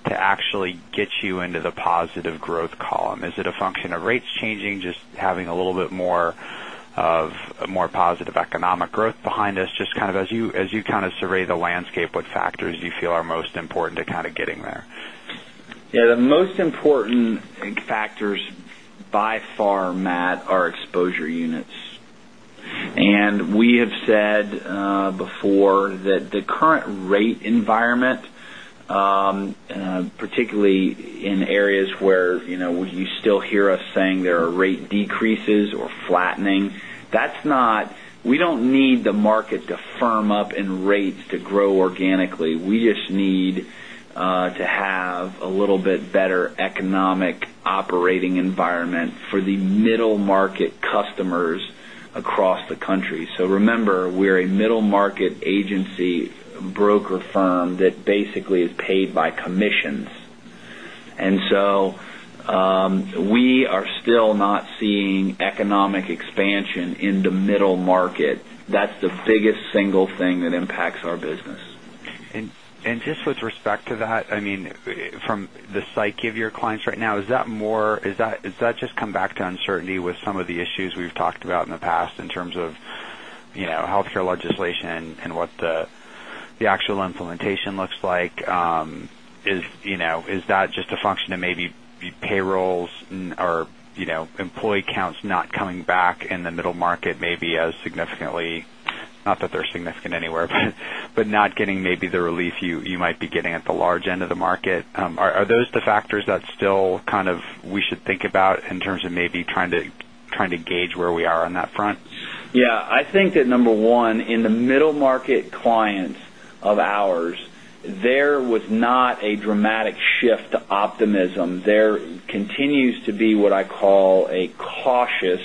to actually get you into the positive growth column? Is it a function of rates changing, just having a little bit more of a more positive economic growth behind us? Just as you kind of survey the landscape, what factors do you feel are most important to kind of getting there? Yeah, the most important factors by far, Matt, are exposure units. We have said before that the current rate environment, particularly in areas where you still hear us saying there are rate decreases or flattening. We don't need the market to firm up and rates to grow organically. We just need to have a little bit better economic operating environment for the middle market customers across the country. Remember, we're a middle market agency broker firm that basically is paid by commissions. We are still not seeing economic expansion in the middle market. That's the biggest single thing that impacts our business. Just with respect to that, from the psyche of your clients right now, does that just come back to uncertainty with some of the issues we've talked about in the past in terms of healthcare legislation and what the actual implementation looks like? Is that just a function of maybe payrolls or employee counts not coming back in the middle market maybe as significantly, not that they're significant anywhere, but not getting maybe the relief you might be getting at the large end of the market. Are those the factors that still kind of we should think about in terms of maybe trying to gauge where we are on that front? Yeah. I think that number one, in the middle market clients of ours, there was not a dramatic shift to optimism. There continues to be what I call a cautious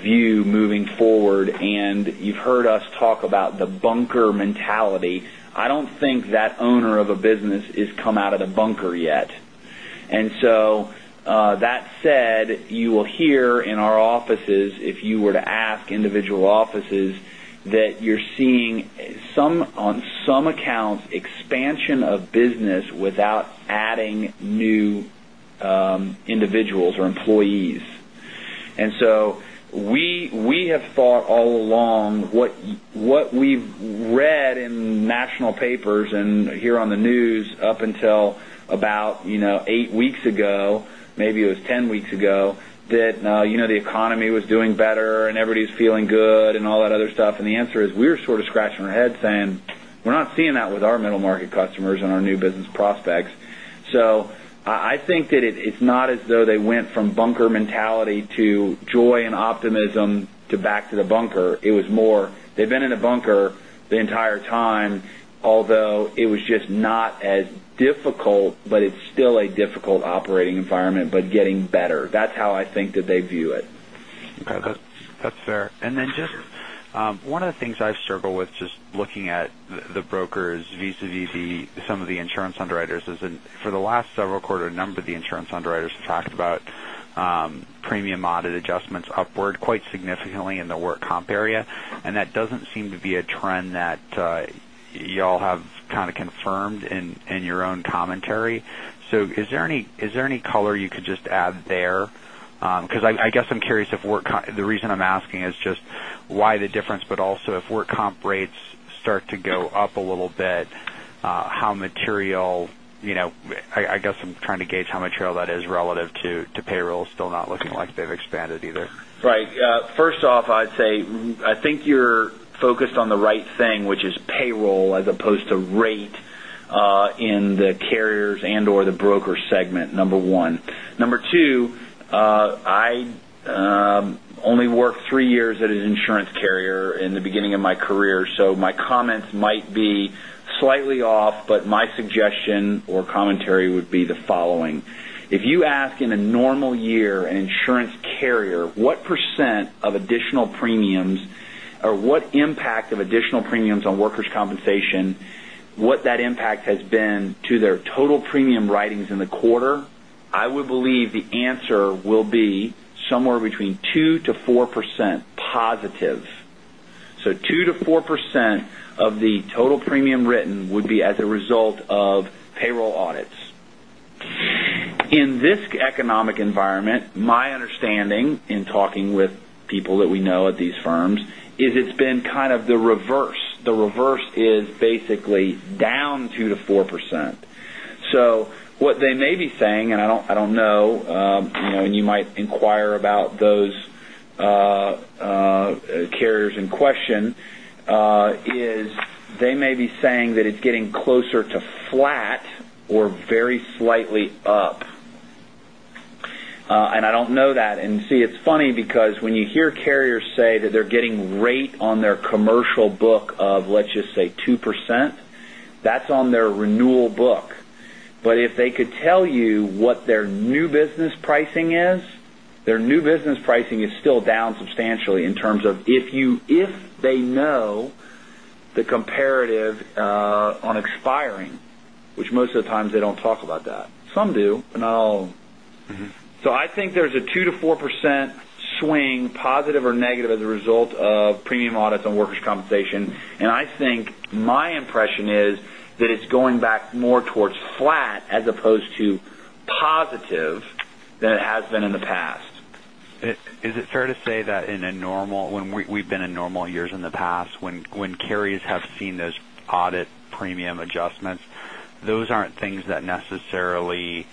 view moving forward, and you've heard us talk about the bunker mentality. I don't think that owner of a business has come out of the bunker yet. That said, you will hear in our offices, if you were to ask individual offices, that you're seeing on some accounts, expansion of business without adding new individuals or employees. We have thought all along what we've read in national papers and hear on the news up until about 8 weeks ago, maybe it was 10 weeks ago, that the economy was doing better and everybody's feeling good and all that other stuff. The answer is, we were sort of scratching our heads saying, we're not seeing that with our middle market customers and our new business prospects. I think that it's not as though they went from bunker mentality to joy and optimism to back to the bunker. It was more, they've been in a bunker the entire time, although it was just not as difficult, but it's still a difficult operating environment, but getting better. That's how I think that they view it. Okay. That's fair. Then just one of the things I've struggled with, just looking at the brokers vis-à-vis some of the insurance underwriters, is in for the last several quarter, a number of the insurance underwriters have talked about Premium audit adjustments upward quite significantly in the work comp area, and that doesn't seem to be a trend that y'all have confirmed in your own commentary. Is there any color you could just add there? Because I'm curious if work The reason I'm asking is just why the difference, but also if work comp rates start to go up a little bit, how material. I guess I'm trying to gauge how material that is relative to payrolls still not looking like they've expanded either. Right. First off, I'd say, I think you're focused on the right thing, which is payroll as opposed to rate, in the carriers and or the broker segment, number one. Number two, I only worked 3 years at an insurance carrier in the beginning of my career, so my comments might be slightly off, but my suggestion or commentary would be the following. If you ask in a normal year an insurance carrier, what percent of additional premiums or what impact of additional premiums on workers' compensation, what that impact has been to their total premium writings in the quarter, I would believe the answer will be somewhere between 2%-4% positive. 2%-4% of the total premium written would be as a result of payroll audits. In this economic environment, my understanding in talking with people that we know at these firms, it's been kind of the reverse. The reverse is basically down 2%-4%. What they may be saying, and I don't know, and you might inquire about those carriers in question, is they may be saying that it's getting closer to flat or very slightly up. I don't know that. See, it's funny because when you hear carriers say that they're getting rate on their commercial book of, let's just say, 2%, that's on their renewal book. If they could tell you what their new business pricing is, their new business pricing is still down substantially in terms of if they know the comparative on expiring, which most of the times they don't talk about that. Some do, but not all. I think there's a 2%-4% swing, positive or negative, as a result of premium audits on workers' compensation. I think my impression is that it's going back more towards flat as opposed to positive than it has been in the past. Is it fair to say that when we've been in normal years in the past, when carriers have seen those audit premium adjustments, those aren't things that necessarily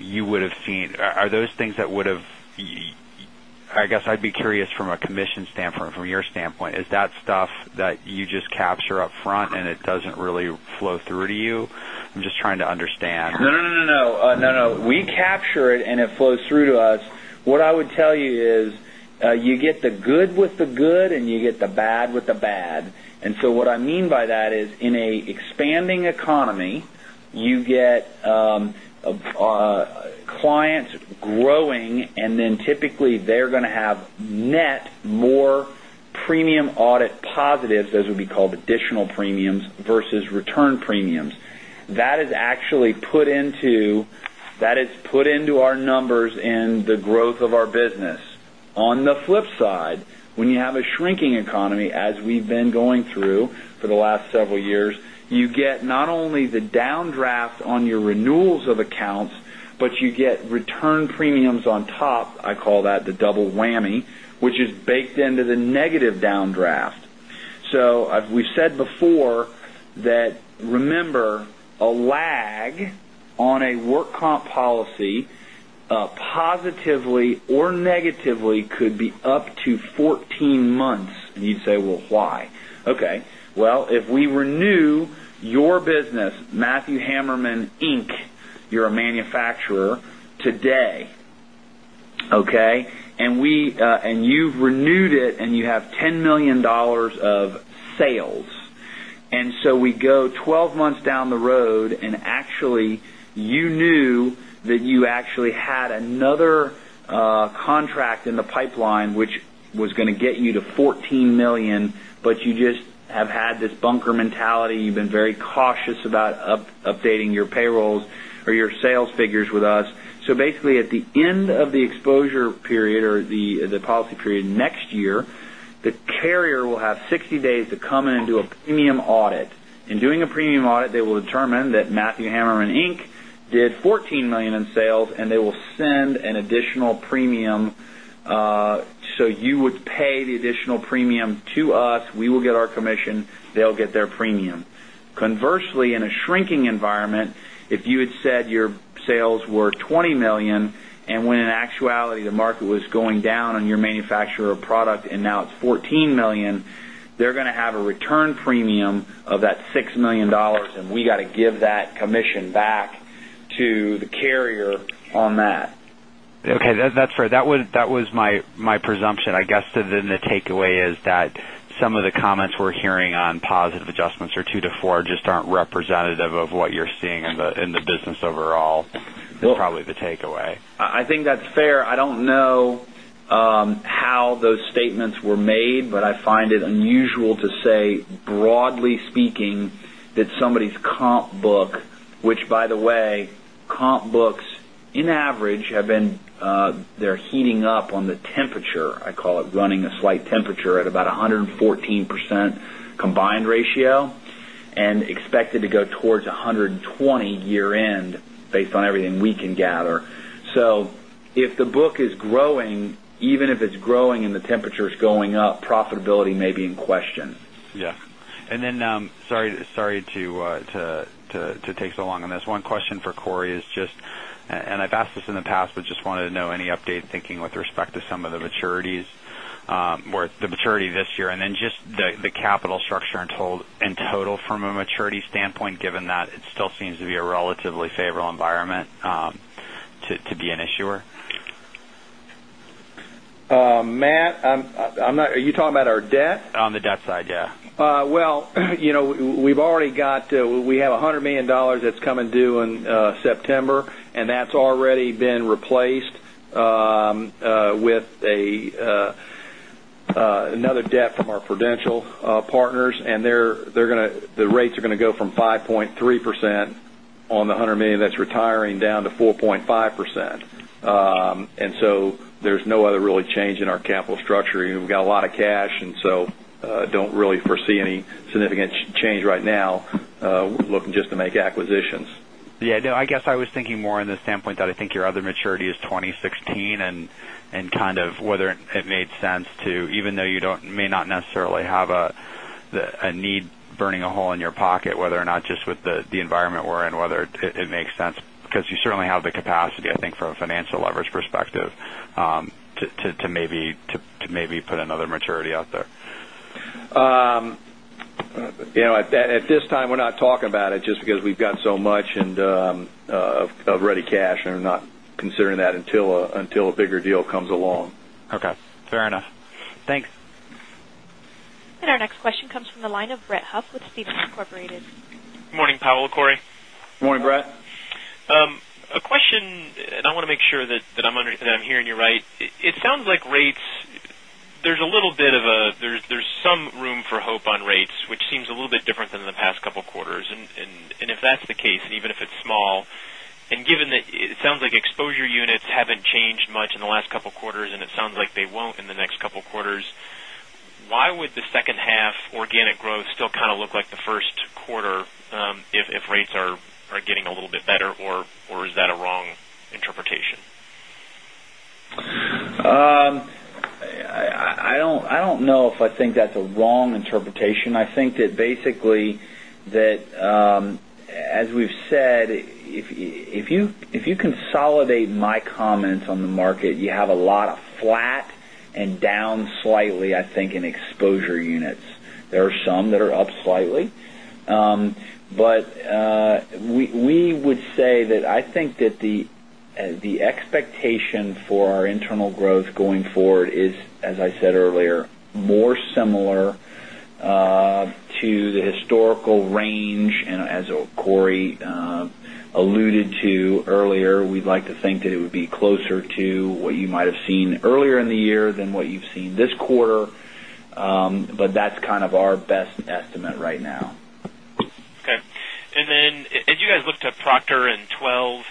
you would have seen? I guess I'd be curious from a commission standpoint, from your standpoint. Is that stuff that you just capture up front and it doesn't really flow through to you? I'm just trying to understand. No. We capture it, and it flows through to us. What I would tell you is, you get the good with the good, and you get the bad with the bad. What I mean by that is, in an expanding economy, you get clients growing, and then typically they're going to have net more premium audit positives. Those would be called additional premiums versus return premiums. That is put into our numbers and the growth of our business. On the flip side, when you have a shrinking economy, as we've been going through for the last several years, you get not only the downdraft on your renewals of accounts, but you get return premiums on top. I call that the double whammy, which is baked into the negative downdraft. We've said before that, remember, a lag on a work comp policy, positively or negatively, could be up to 14 months. You'd say, "Well, why?" If we renew your business, Matthew Heimermann Inc., you're a manufacturer today? You've renewed it, and you have $10 million of sales. We go 12 months down the road, and actually, you knew that you actually had another contract in the pipeline, which was going to get you to $14 million, but you just have had this bunker mentality. You've been very cautious about updating your payrolls or your sales figures with us. At the end of the exposure period or the policy period next year, the carrier will have 60 days to come in and do a premium audit. In doing a premium audit, they will determine that Matthew Heimermann Inc. did $14 million in sales, and they will send an additional premium. You would pay the additional premium to us. We will get our commission. They'll get their premium. Conversely, in a shrinking environment, if you had said your sales were $20 million, and when in actuality, the market was going down on your manufacturer product, and now it's $14 million, they're going to have a return premium of that $6 million, and we got to give that commission back to the carrier on that. That's fair. That was my presumption. The takeaway is that some of the comments we're hearing on positive adjustments or two to four just aren't representative of what you're seeing in the business overall. Is probably the takeaway. I think that's fair. I don't know how all those statements were made, but I find it unusual to say, broadly speaking, that somebody's comp book, which by the way, comp books, on average, they're heating up on the temperature. I call it running a slight temperature at about 114% combined ratio, and expected to go towards 120 year-end based on everything we can gather. If the book is growing, even if it's growing and the temperature is going up, profitability may be in question. Sorry to take so long on this. One question for Cory is, I've asked this in the past, but just wanted to know any update thinking with respect to some of the maturities, or the maturity this year, then the capital structure in total from a maturity standpoint, given that it still seems to be a relatively favorable environment to be an issuer. Matt, are you talking about our debt? On the debt side, yeah. We have $100 million that's coming due in September. That's already been replaced with another debt from our Prudential partners. The rates are going to go from 5.3% on the $100 million that's retiring, down to 4.5%. There's no other really change in our capital structure. We've got a lot of cash, don't really foresee any significant change right now. We're looking just to make acquisitions. Yeah. No, I guess I was thinking more in the standpoint that I think your other maturity is 2016, and kind of whether it made sense to, even though you may not necessarily have a need burning a hole in your pocket, whether or not just with the environment we're in, whether it makes sense, because you certainly have the capacity, I think, from a financial leverage perspective, to maybe put another maturity out there. At this time, we're not talking about it just because we've got so much of ready cash, and we're not considering that until a bigger deal comes along. Okay. Fair enough. Thanks. Our next question comes from the line of Brett Huff with Stephens Inc.. Good morning, Powell and Corey. Good morning, Brett. A question, I want to make sure that I'm hearing you right. It sounds like there's some room for hope on rates, which seems a little bit different than the past couple of quarters. If that's the case, even if it's small, given that it sounds like exposure units haven't changed much in the last couple of quarters, it sounds like they won't in the next couple of quarters, why would the second half organic growth still kind of look like the first quarter, if rates are getting a little bit better, or is that a wrong interpretation? I don't know if I think that's a wrong interpretation. I think that basically, as we've said, if you consolidate my comments on the market, you have a lot of flat and down slightly, I think, in exposure units. There are some that are up slightly. We would say that I think that the expectation for our internal growth going forward is, as I said earlier, more similar to the historical range. As Corey alluded to earlier, we'd like to think that it would be closer to what you might have seen earlier in the year than what you've seen this quarter. That's kind of our best estimate right now. Okay. As you guys looked at Proctor in 2012,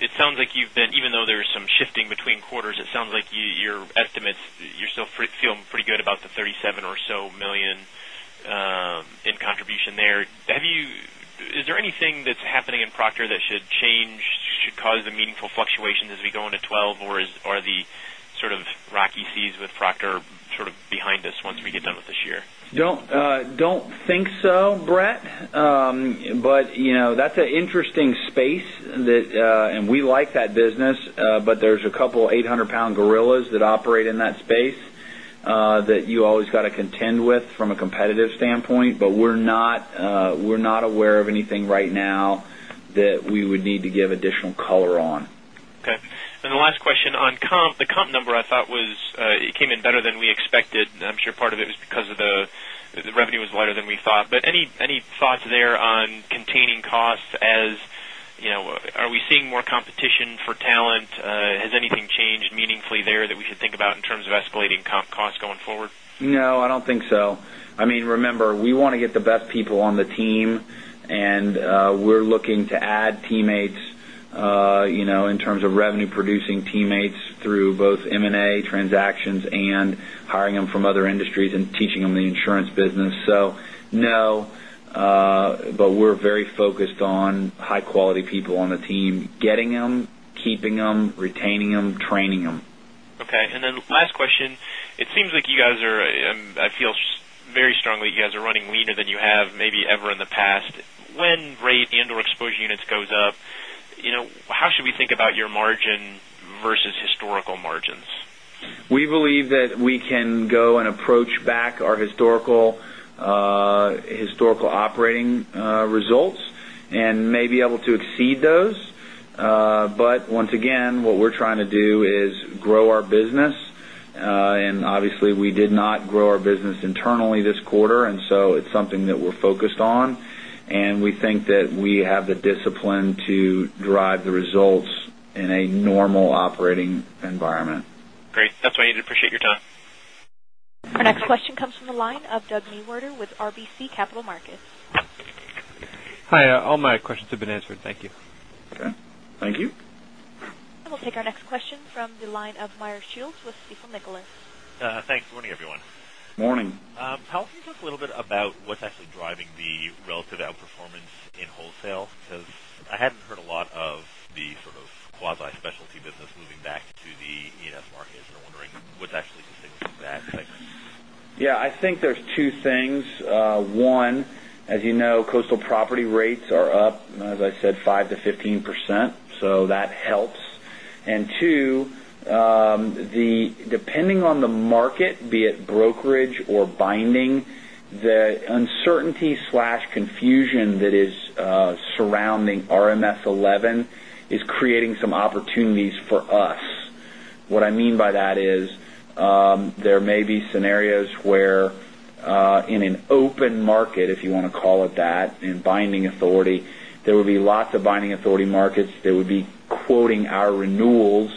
even though there is some shifting between quarters, it sounds like your estimates, you are still feeling pretty good about the $37 million or so in contribution there. Is there anything that is happening in Proctor that should change, should cause a meaningful fluctuation as we go into 2012, or are the sort of rocky seas with Proctor sort of behind us once we get done with this year? Don't think so, Brett. That is an interesting space, and we like that business. There is a couple 800-pound gorillas that operate in that space, that you always got to contend with from a competitive standpoint. We are not aware of anything right now that we would need to give additional color on. Okay. The last question. On comp, the comp number I thought it came in better than we expected, and I am sure part of it was because the revenue was lighter than we thought. Any thoughts there on containing costs, are we seeing more competition for talent? Has anything changed meaningfully there that we should think about in terms of escalating comp costs going forward? No, I don't think so. Remember, we want to get the best people on the team, and we are looking to add teammates, in terms of revenue-producing teammates through both M&A transactions and hiring them from other industries and teaching them the insurance business. No, we are very focused on high-quality people on the team, getting them, keeping them, retaining them, training them. Okay. Last question. It seems like you guys are, I feel very strongly, you guys are running leaner than you have maybe ever in the past. When rate and/or exposure units goes up, how should we think about your margin versus historical margins? We believe that we can go and approach back our historical operating results, and may be able to exceed those. Once again, what we're trying to do is grow our business. Obviously, we did not grow our business internally this quarter, it's something that we're focused on. We think that we have the discipline to drive the results in a normal operating environment. Great. That's what I needed. Appreciate your time. Our next question comes from the line of Doug Niewoehner with RBC Capital Markets. Hi, all my questions have been answered. Thank you. Okay. Thank you. We'll take our next question from the line of Meyer Shields with Stifel Nicolaus. Thanks. Good morning, everyone. Morning. Can you talk a little bit about what's actually driving the relative outperformance in wholesale? I hadn't heard a lot of the sort of quasi-specialty business moving back to the E&S markets, and I'm wondering what's actually distinctive in that segment. Yeah, I think there's two things. One, as you know, coastal property rates are up, as I said, 5%-15%, that helps. Two, depending on the market, be it brokerage or binding, the uncertainty/confusion that is surrounding RMS 11 is creating some opportunities for us. What I mean by that is, there may be scenarios where, in an open market, if you want to call it that, in binding authority, there would be lots of binding authority markets that would be quoting our renewals.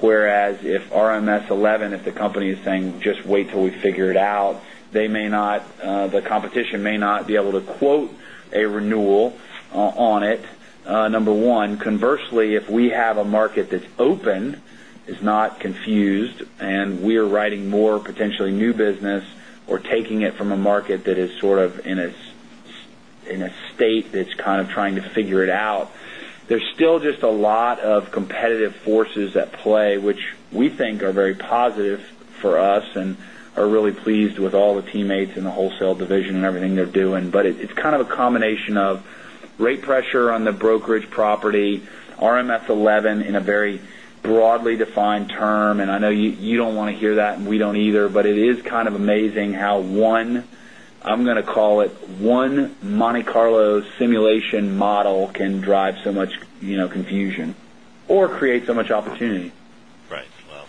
Whereas if RMS 11, if the company is saying, "Just wait till we figure it out," the competition may not be able to quote a renewal on it, number one. Conversely, if we have a market that's open, is not confused, and we're writing more potentially new business or taking it from a market that is sort of in a state that's kind of trying to figure it out, there's still just a lot of competitive forces at play, which we think are very positive for us and are really pleased with all the teammates in the wholesale division and everything they're doing. It's kind of a combination of rate pressure on the brokerage property, RMS 11 in a very broadly defined term. I know you don't want to hear that, and we don't either, but it is kind of amazing how one, I'm going to call it one Monte Carlo simulation model can drive so much confusion or create so much opportunity. Right. Well,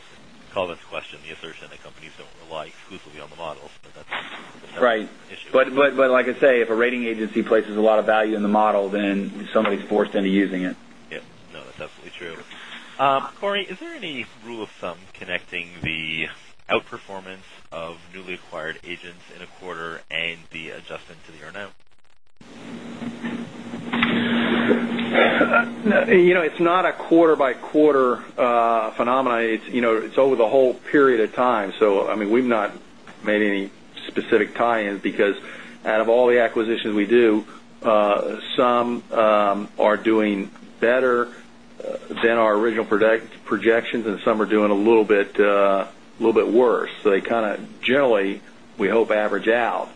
call this question the assertion that companies don't rely exclusively on the model, but that's. Right an issue. Like I say, if a rating agency places a lot of value in the model, then somebody's forced into using it. Yeah. No, that's absolutely true. Cory, is there any rule of thumb connecting the outperformance of newly acquired agents in a quarter and the adjustment to the earn-out? It's not a quarter-by-quarter phenomenon. It's over the whole period of time. We've not made any specific tie-ins because out of all the acquisitions we do, some are doing better than our original projections, and some are doing a little bit worse. They kind of generally, we hope, average out.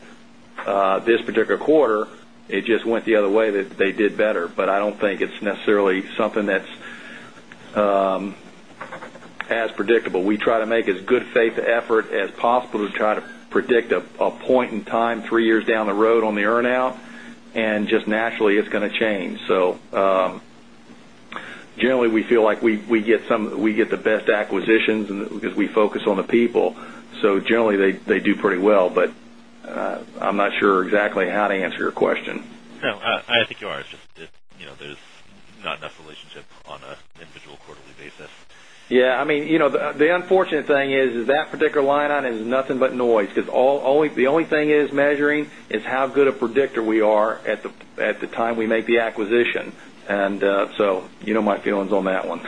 This particular quarter, it just went the other way that they did better. I don't think it's necessarily something that's as predictable. We try to make as good faith effort as possible to try to predict a point in time three years down the road on the earn-out, and just naturally it's going to change. Generally, we feel like we get the best acquisitions because we focus on the people. Generally, they do pretty well, but I'm not sure exactly how to answer your question. I think you are. It's just there's not enough relationship on an individual quarterly basis. Yeah. The unfortunate thing is that particular line item is nothing but noise because the only thing it is measuring is how good a predictor we are at the time we make the acquisition. You know my feelings on that one.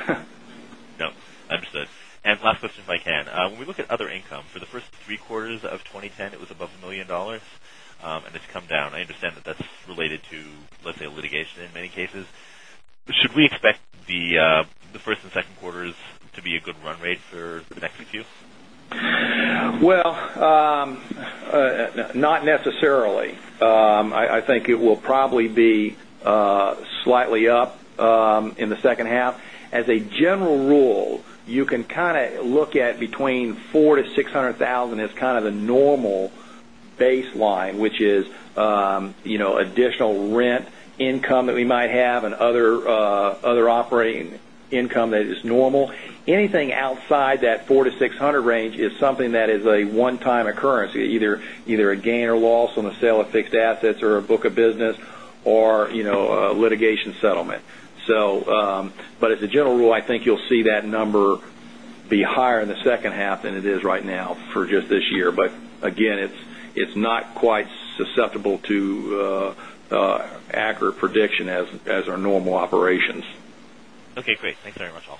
Understood. Last question, if I can. When we look at other income, for the first three quarters of 2010, it was above $1 million, and it's come down. I understand that that's related to, let's say, litigation in many cases. Should we expect the first and second quarters to be a good run rate for the next few? Well, not necessarily. I think it will probably be slightly up in the second half. As a general rule, you can kind of look at between $400,000-$600,000 as kind of the normal baseline, which is additional rent income that we might have and other operating income that is normal. Anything outside that $400,000-$600,000 range is something that is a one-time occurrence, either a gain or loss on the sale of fixed assets or a book of business or a litigation settlement. As a general rule, I think you'll see that number be higher in the second half than it is right now for just this year. Again, it's not quite susceptible to accurate prediction as our normal operations. Okay, great. Thanks very much, all.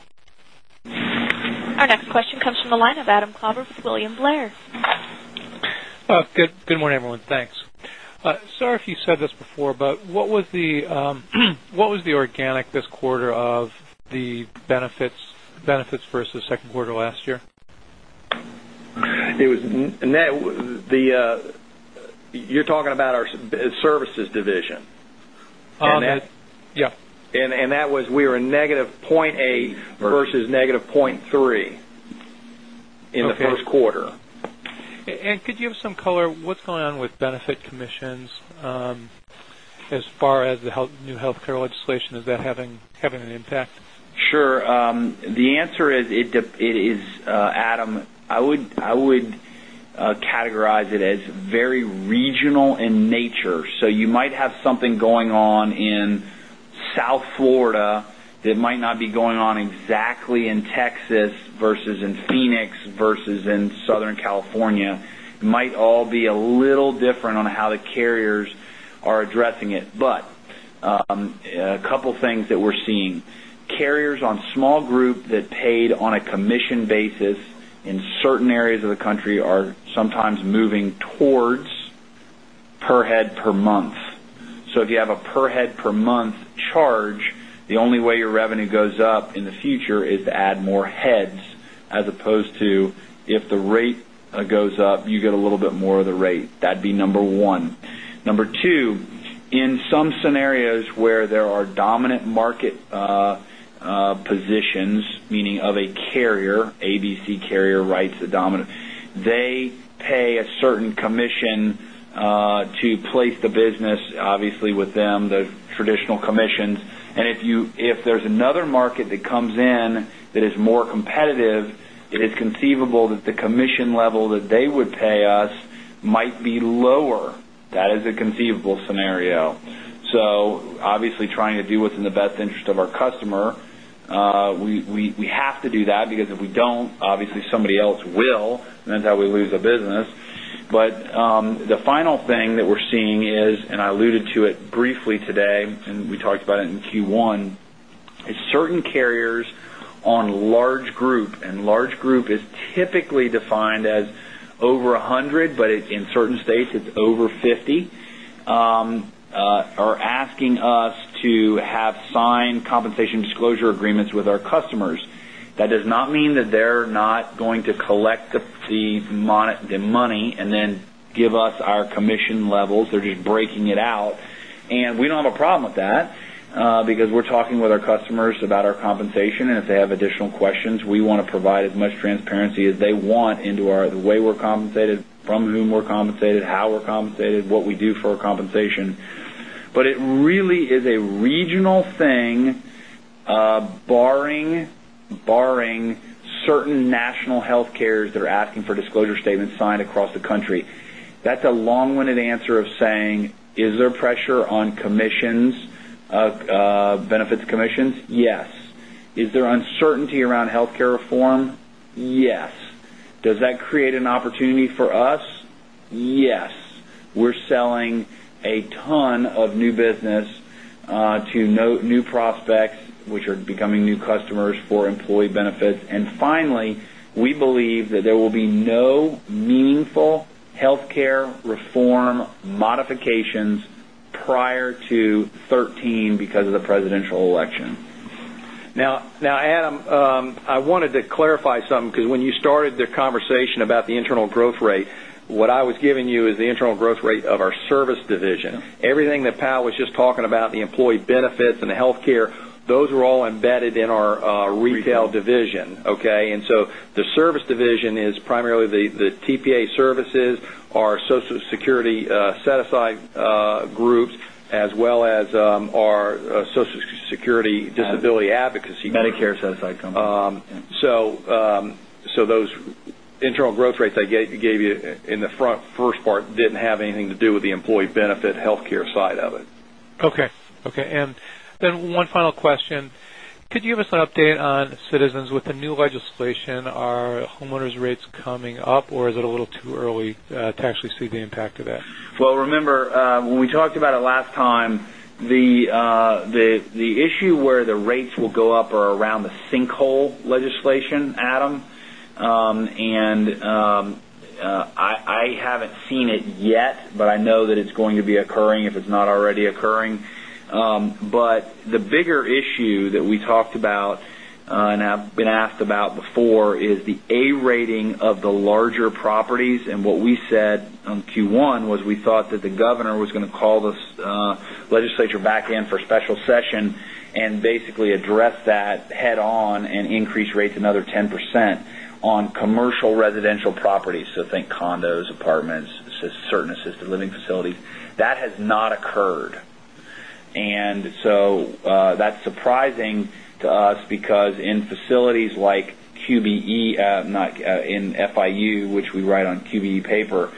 Our next question comes from the line of Adam Klauber with William Blair. Good morning, everyone. Thanks. Sorry if you said this before, what was the organic this quarter of the benefits versus second quarter last year? You're talking about our services division? Yes. That was we were a negative 0.8 versus negative 0.3 in the first quarter. Could you give some color? What's going on with benefit commissions as far as the new healthcare legislation? Is that having an impact? Sure. The answer is, Adam, I would categorize it as very regional in nature. You might have something going on in South Florida that might not be going on exactly in Texas versus in Phoenix versus in Southern California. It might all be a little different on how the carriers are addressing it. A couple things that we're seeing. Carriers on small group that paid on a commission basis in certain areas of the country are sometimes moving towards per head per month. If you have a per head per month charge, the only way your revenue goes up in the future is to add more heads as opposed to if the rate goes up, you get a little bit more of the rate. That'd be number one. Number two, in some scenarios where there are dominant market positions, meaning of a carrier, A, B, C carrier writes a dominant, they pay a certain commission to place the business, obviously with them, the traditional commissions. If there's another market that comes in that is more competitive, it is conceivable that the commission level that they would pay us might be lower. That is a conceivable scenario. Obviously, trying to do what's in the best interest of our customer. We have to do that because if we don't, obviously somebody else will, and that's how we lose the business. The final thing that we're seeing is, I alluded to it briefly today, we talked about it in Q1, is certain carriers on large group, and large group is typically defined as over 100, but in certain states it's over 50, are asking us to have signed compensation disclosure agreements with our customers. That does not mean that they're not going to collect the money and then give us our commission levels. They're just breaking it out. We don't have a problem with that because we're talking with our customers about our compensation, and if they have additional questions, we want to provide as much transparency as they want into the way we're compensated, from whom we're compensated, how we're compensated, what we do for compensation. It really is a regional thing barring certain national healthcare that are asking for disclosure statements signed across the country. That's a long-winded answer of saying, is there pressure on benefits commissions? Yes. Is there uncertainty around healthcare reform? Yes. Does that create an opportunity for us? Yes. We're selling a ton of new business to new prospects, which are becoming new customers for employee benefits. Finally, we believe that there will be no meaningful healthcare reform modifications prior to 2013 because of the presidential election. Adam, I wanted to clarify something because when you started the conversation about the internal growth rate, what I was giving you is the internal growth rate of our service division. Everything that Powell was just talking about, the employee benefits and the healthcare, those were all embedded in our retail division, okay? The service division is primarily the TPA services, our Social Security set aside groups, as well as our Social Security disability advocacy. Medicare set aside companies. Those internal growth rates I gave you in the first part didn't have anything to do with the employee benefit healthcare side of it. Okay. One final question. Could you give us an update on Citizens with the new legislation? Are homeowners' rates coming up, or is it a little too early to actually see the impact of that? Well, remember when we talked about it last time, the issue where the rates will go up are around the sinkhole legislation, Adam. I haven't seen it yet, but I know that it's going to be occurring if it's not already occurring. The bigger issue that we talked about and have been asked about before is the A rating of the larger properties. What we said on Q1 was we thought that the governor was going to call this legislature back in for a special session and basically address that head on and increase rates another 10% on commercial residential properties. Think condos, apartments, certain assisted living facilities. That has not occurred. That's surprising to us because in facilities like QBE, in FIU, which we write on QBE paper,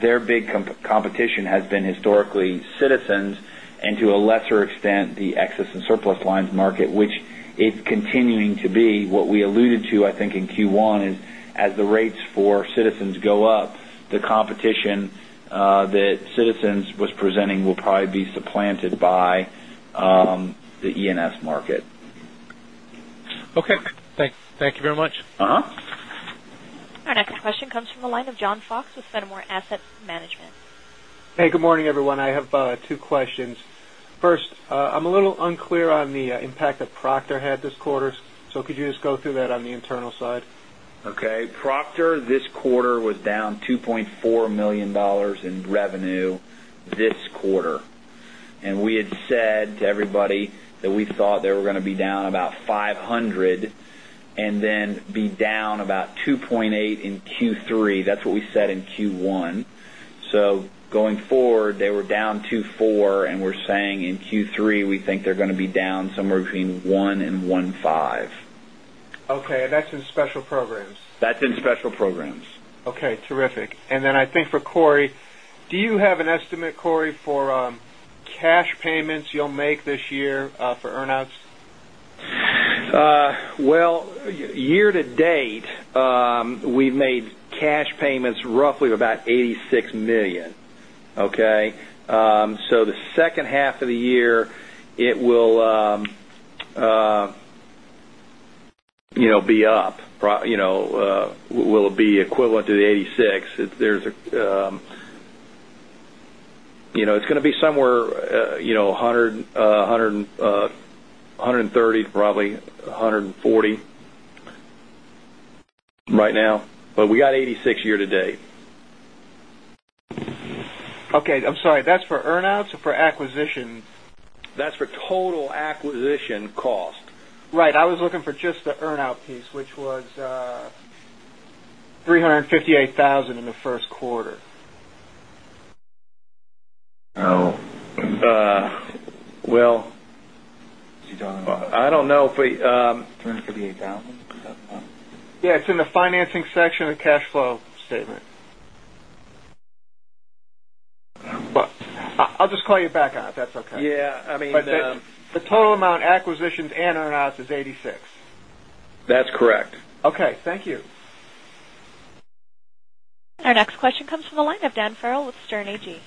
their big competition has been historically Citizens and to a lesser extent, the Excess and Surplus lines market, which is continuing to be. What we alluded to, I think, in Q1 is as the rates for Citizens go up, the competition that Citizens was presenting will probably be supplanted by the E&S market. Okay. Thank you very much. Our next question comes from the line of John Fox with Fenimore Asset Management. Hey, good morning, everyone. I have two questions. First, I'm a little unclear on the impact that Proctor had this quarter. Could you just go through that on the internal side? Okay. Proctor this quarter was down $2.4 million in revenue this quarter. We had said to everybody that we thought they were going to be down about $500 and then be down about $2.8 in Q3. That's what we said in Q1. Going forward, they were down 2.4%, and we're saying in Q3, we think they're going to be down somewhere between 1% and 1.5%. Okay. That's in special programs? That's in special programs. Okay, terrific. Then I think for Cory, do you have an estimate, Cory, for cash payments you'll make this year for earn-outs? Well, year-to-date, we've made cash payments roughly about $86 million. Okay? The second half of the year, it will be up. Will it be equivalent to the $86 million? It's going to be somewhere $130 million, probably $140 million right now, but we got $86 million year-to-date. Okay. I'm sorry. That's for earn-outs or for acquisition? That's for total acquisition cost. Right. I was looking for just the earn-out piece, which was $358,000 in the first quarter. Oh. Well. You don't know about that. I don't know if we- $358,000? Is that the one? Yeah, it's in the financing section of the cash flow statement. But- I'll just call you back on it, if that's okay. Yeah. I mean. The total amount, acquisitions and earn-outs, is $86. That's correct. Okay, thank you. Our next question comes from the line of Dan Farrell with Sterne Agee.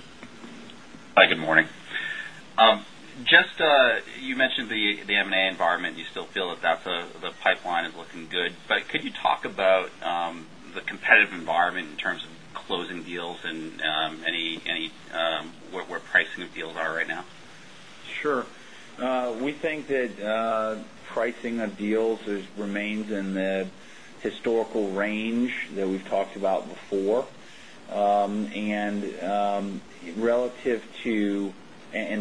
Hi, good morning. You mentioned the M&A environment. You still feel that the pipeline is looking good. Could you talk about the competitive environment in terms of closing deals and where pricing of deals are right now? Sure. We think that pricing of deals remains in the historical range that we've talked about before.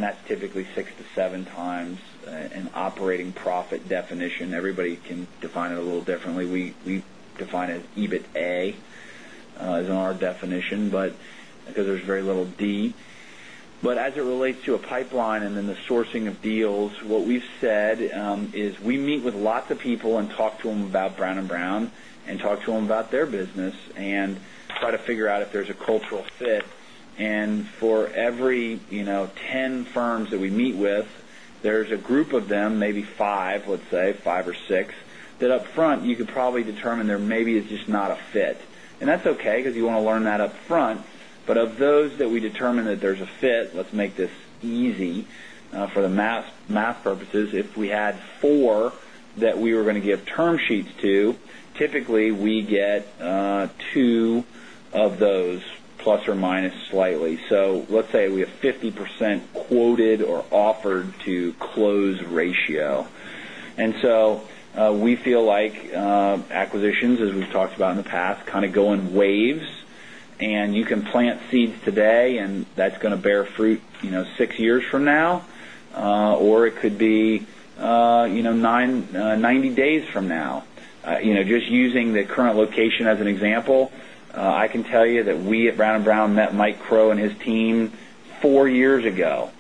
That's typically 6 to 7 times an operating profit definition. Everybody can define it a little differently. We define it EBITDA, is in our definition, because there's very little D. As it relates to a pipeline and then the sourcing of deals, what we've said is we meet with lots of people and talk to them about Brown & Brown and talk to them about their business and try to figure out if there's a cultural fit. For every 10 firms that we meet with, there's a group of them, maybe 5, let's say, 5 or 6, that up front you could probably determine they're maybe just not a fit. That's okay because you want to learn that up front. Of those that we determine that there's a fit, let's make this easy for the math purposes. If we had four that we were going to give term sheets to, typically we get two of those, plus or minus slightly. Let's say we have 50% quoted or offered to close ratio. We feel like acquisitions, as we've talked about in the past, go in waves, and you can plant seeds today, and that's going to bear fruit six years from now, or it could be 90 days from now. Just using the current location as an example, I can tell you that we at Brown & Brown met Mike Crowe and his team four years ago.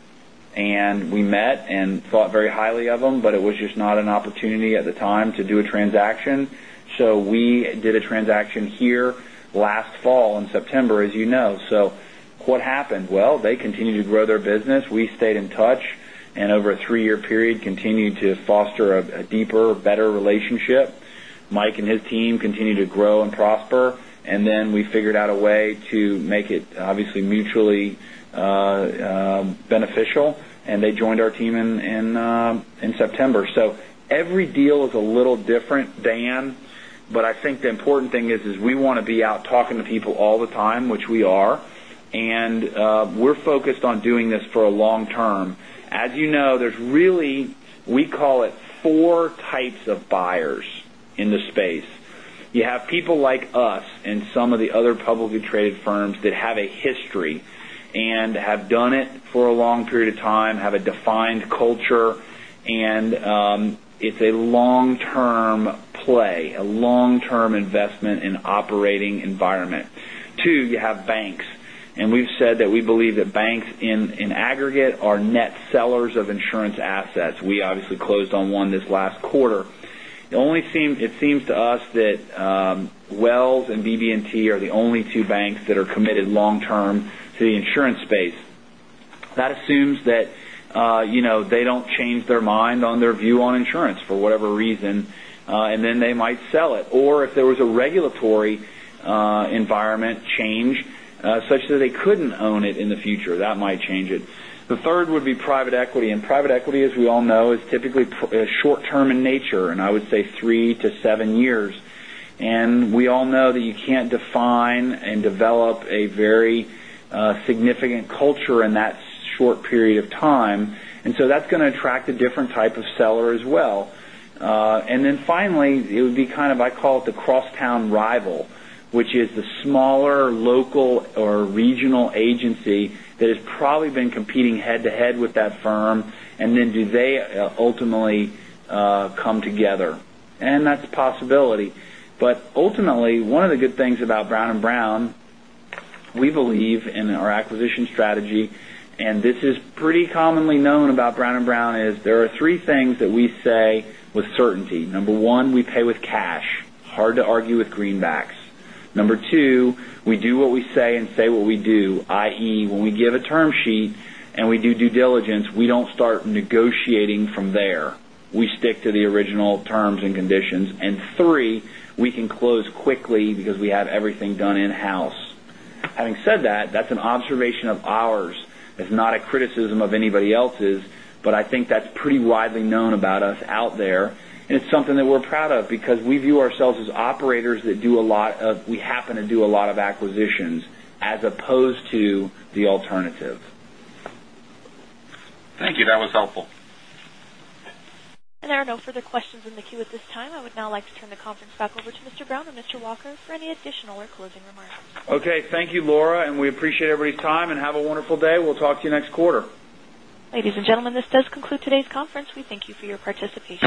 We met and thought very highly of them, it was just not an opportunity at the time to do a transaction. We did a transaction here last fall in September, as you know. What happened? Well, they continued to grow their business. We stayed in touch, and over a three-year period, continued to foster a deeper, better relationship. Mike and his team continued to grow and prosper, we figured out a way to make it obviously mutually beneficial, and they joined our team in September. Every deal is a little different, Dan, I think the important thing is we want to be out talking to people all the time, which we are. We're focused on doing this for a long term. As you know, there's really, we call it 4 types of buyers in the space. You have people like us and some of the other publicly traded firms that have a history and have done it for a long period of time, have a defined culture, and it's a long-term play, a long-term investment in operating environment. 2, you have banks. We've said that we believe that banks in aggregate are net sellers of insurance assets. We obviously closed on one this last quarter. It seems to us that Wells and BB&T are the only two banks that are committed long term to the insurance space. That assumes that they don't change their mind on their view on insurance for whatever reason, they might sell it. If there was a regulatory environment change such that they couldn't own it in the future, that might change it. The third would be private equity. Private equity, as we all know, is typically short term in nature, I would say 3-7 years. We all know that you can't define and develop a very significant culture in that short period of time. That's going to attract a different type of seller as well. Finally, it would be kind of, I call it the crosstown rival, which is the smaller local or regional agency that has probably been competing head-to-head with that firm, do they ultimately come together? That's a possibility. Ultimately, one of the good things about Brown & Brown, we believe in our acquisition strategy, and this is pretty commonly known about Brown & Brown, is there are three things that we say with certainty. Number one, we pay with cash. Hard to argue with greenbacks. Number 2, we do what we say and say what we do, i.e., when we give a term sheet and we do due diligence, we do not start negotiating from there. We stick to the original terms and conditions. 3, we can close quickly because we have everything done in-house. Having said that's an observation of ours. It's not a criticism of anybody else's, but I think that's pretty widely known about us out there, and it's something that we're proud of because we view ourselves as operators that we happen to do a lot of acquisitions as opposed to the alternative. Thank you. That was helpful. There are no further questions in the queue at this time. I would now like to turn the conference back over to Mr. Brown or Mr. Walker for any additional or closing remarks. Okay. Thank you, Laura. We appreciate everybody's time. Have a wonderful day. We'll talk to you next quarter. Ladies and gentlemen, this does conclude today's conference. We thank you for your participation.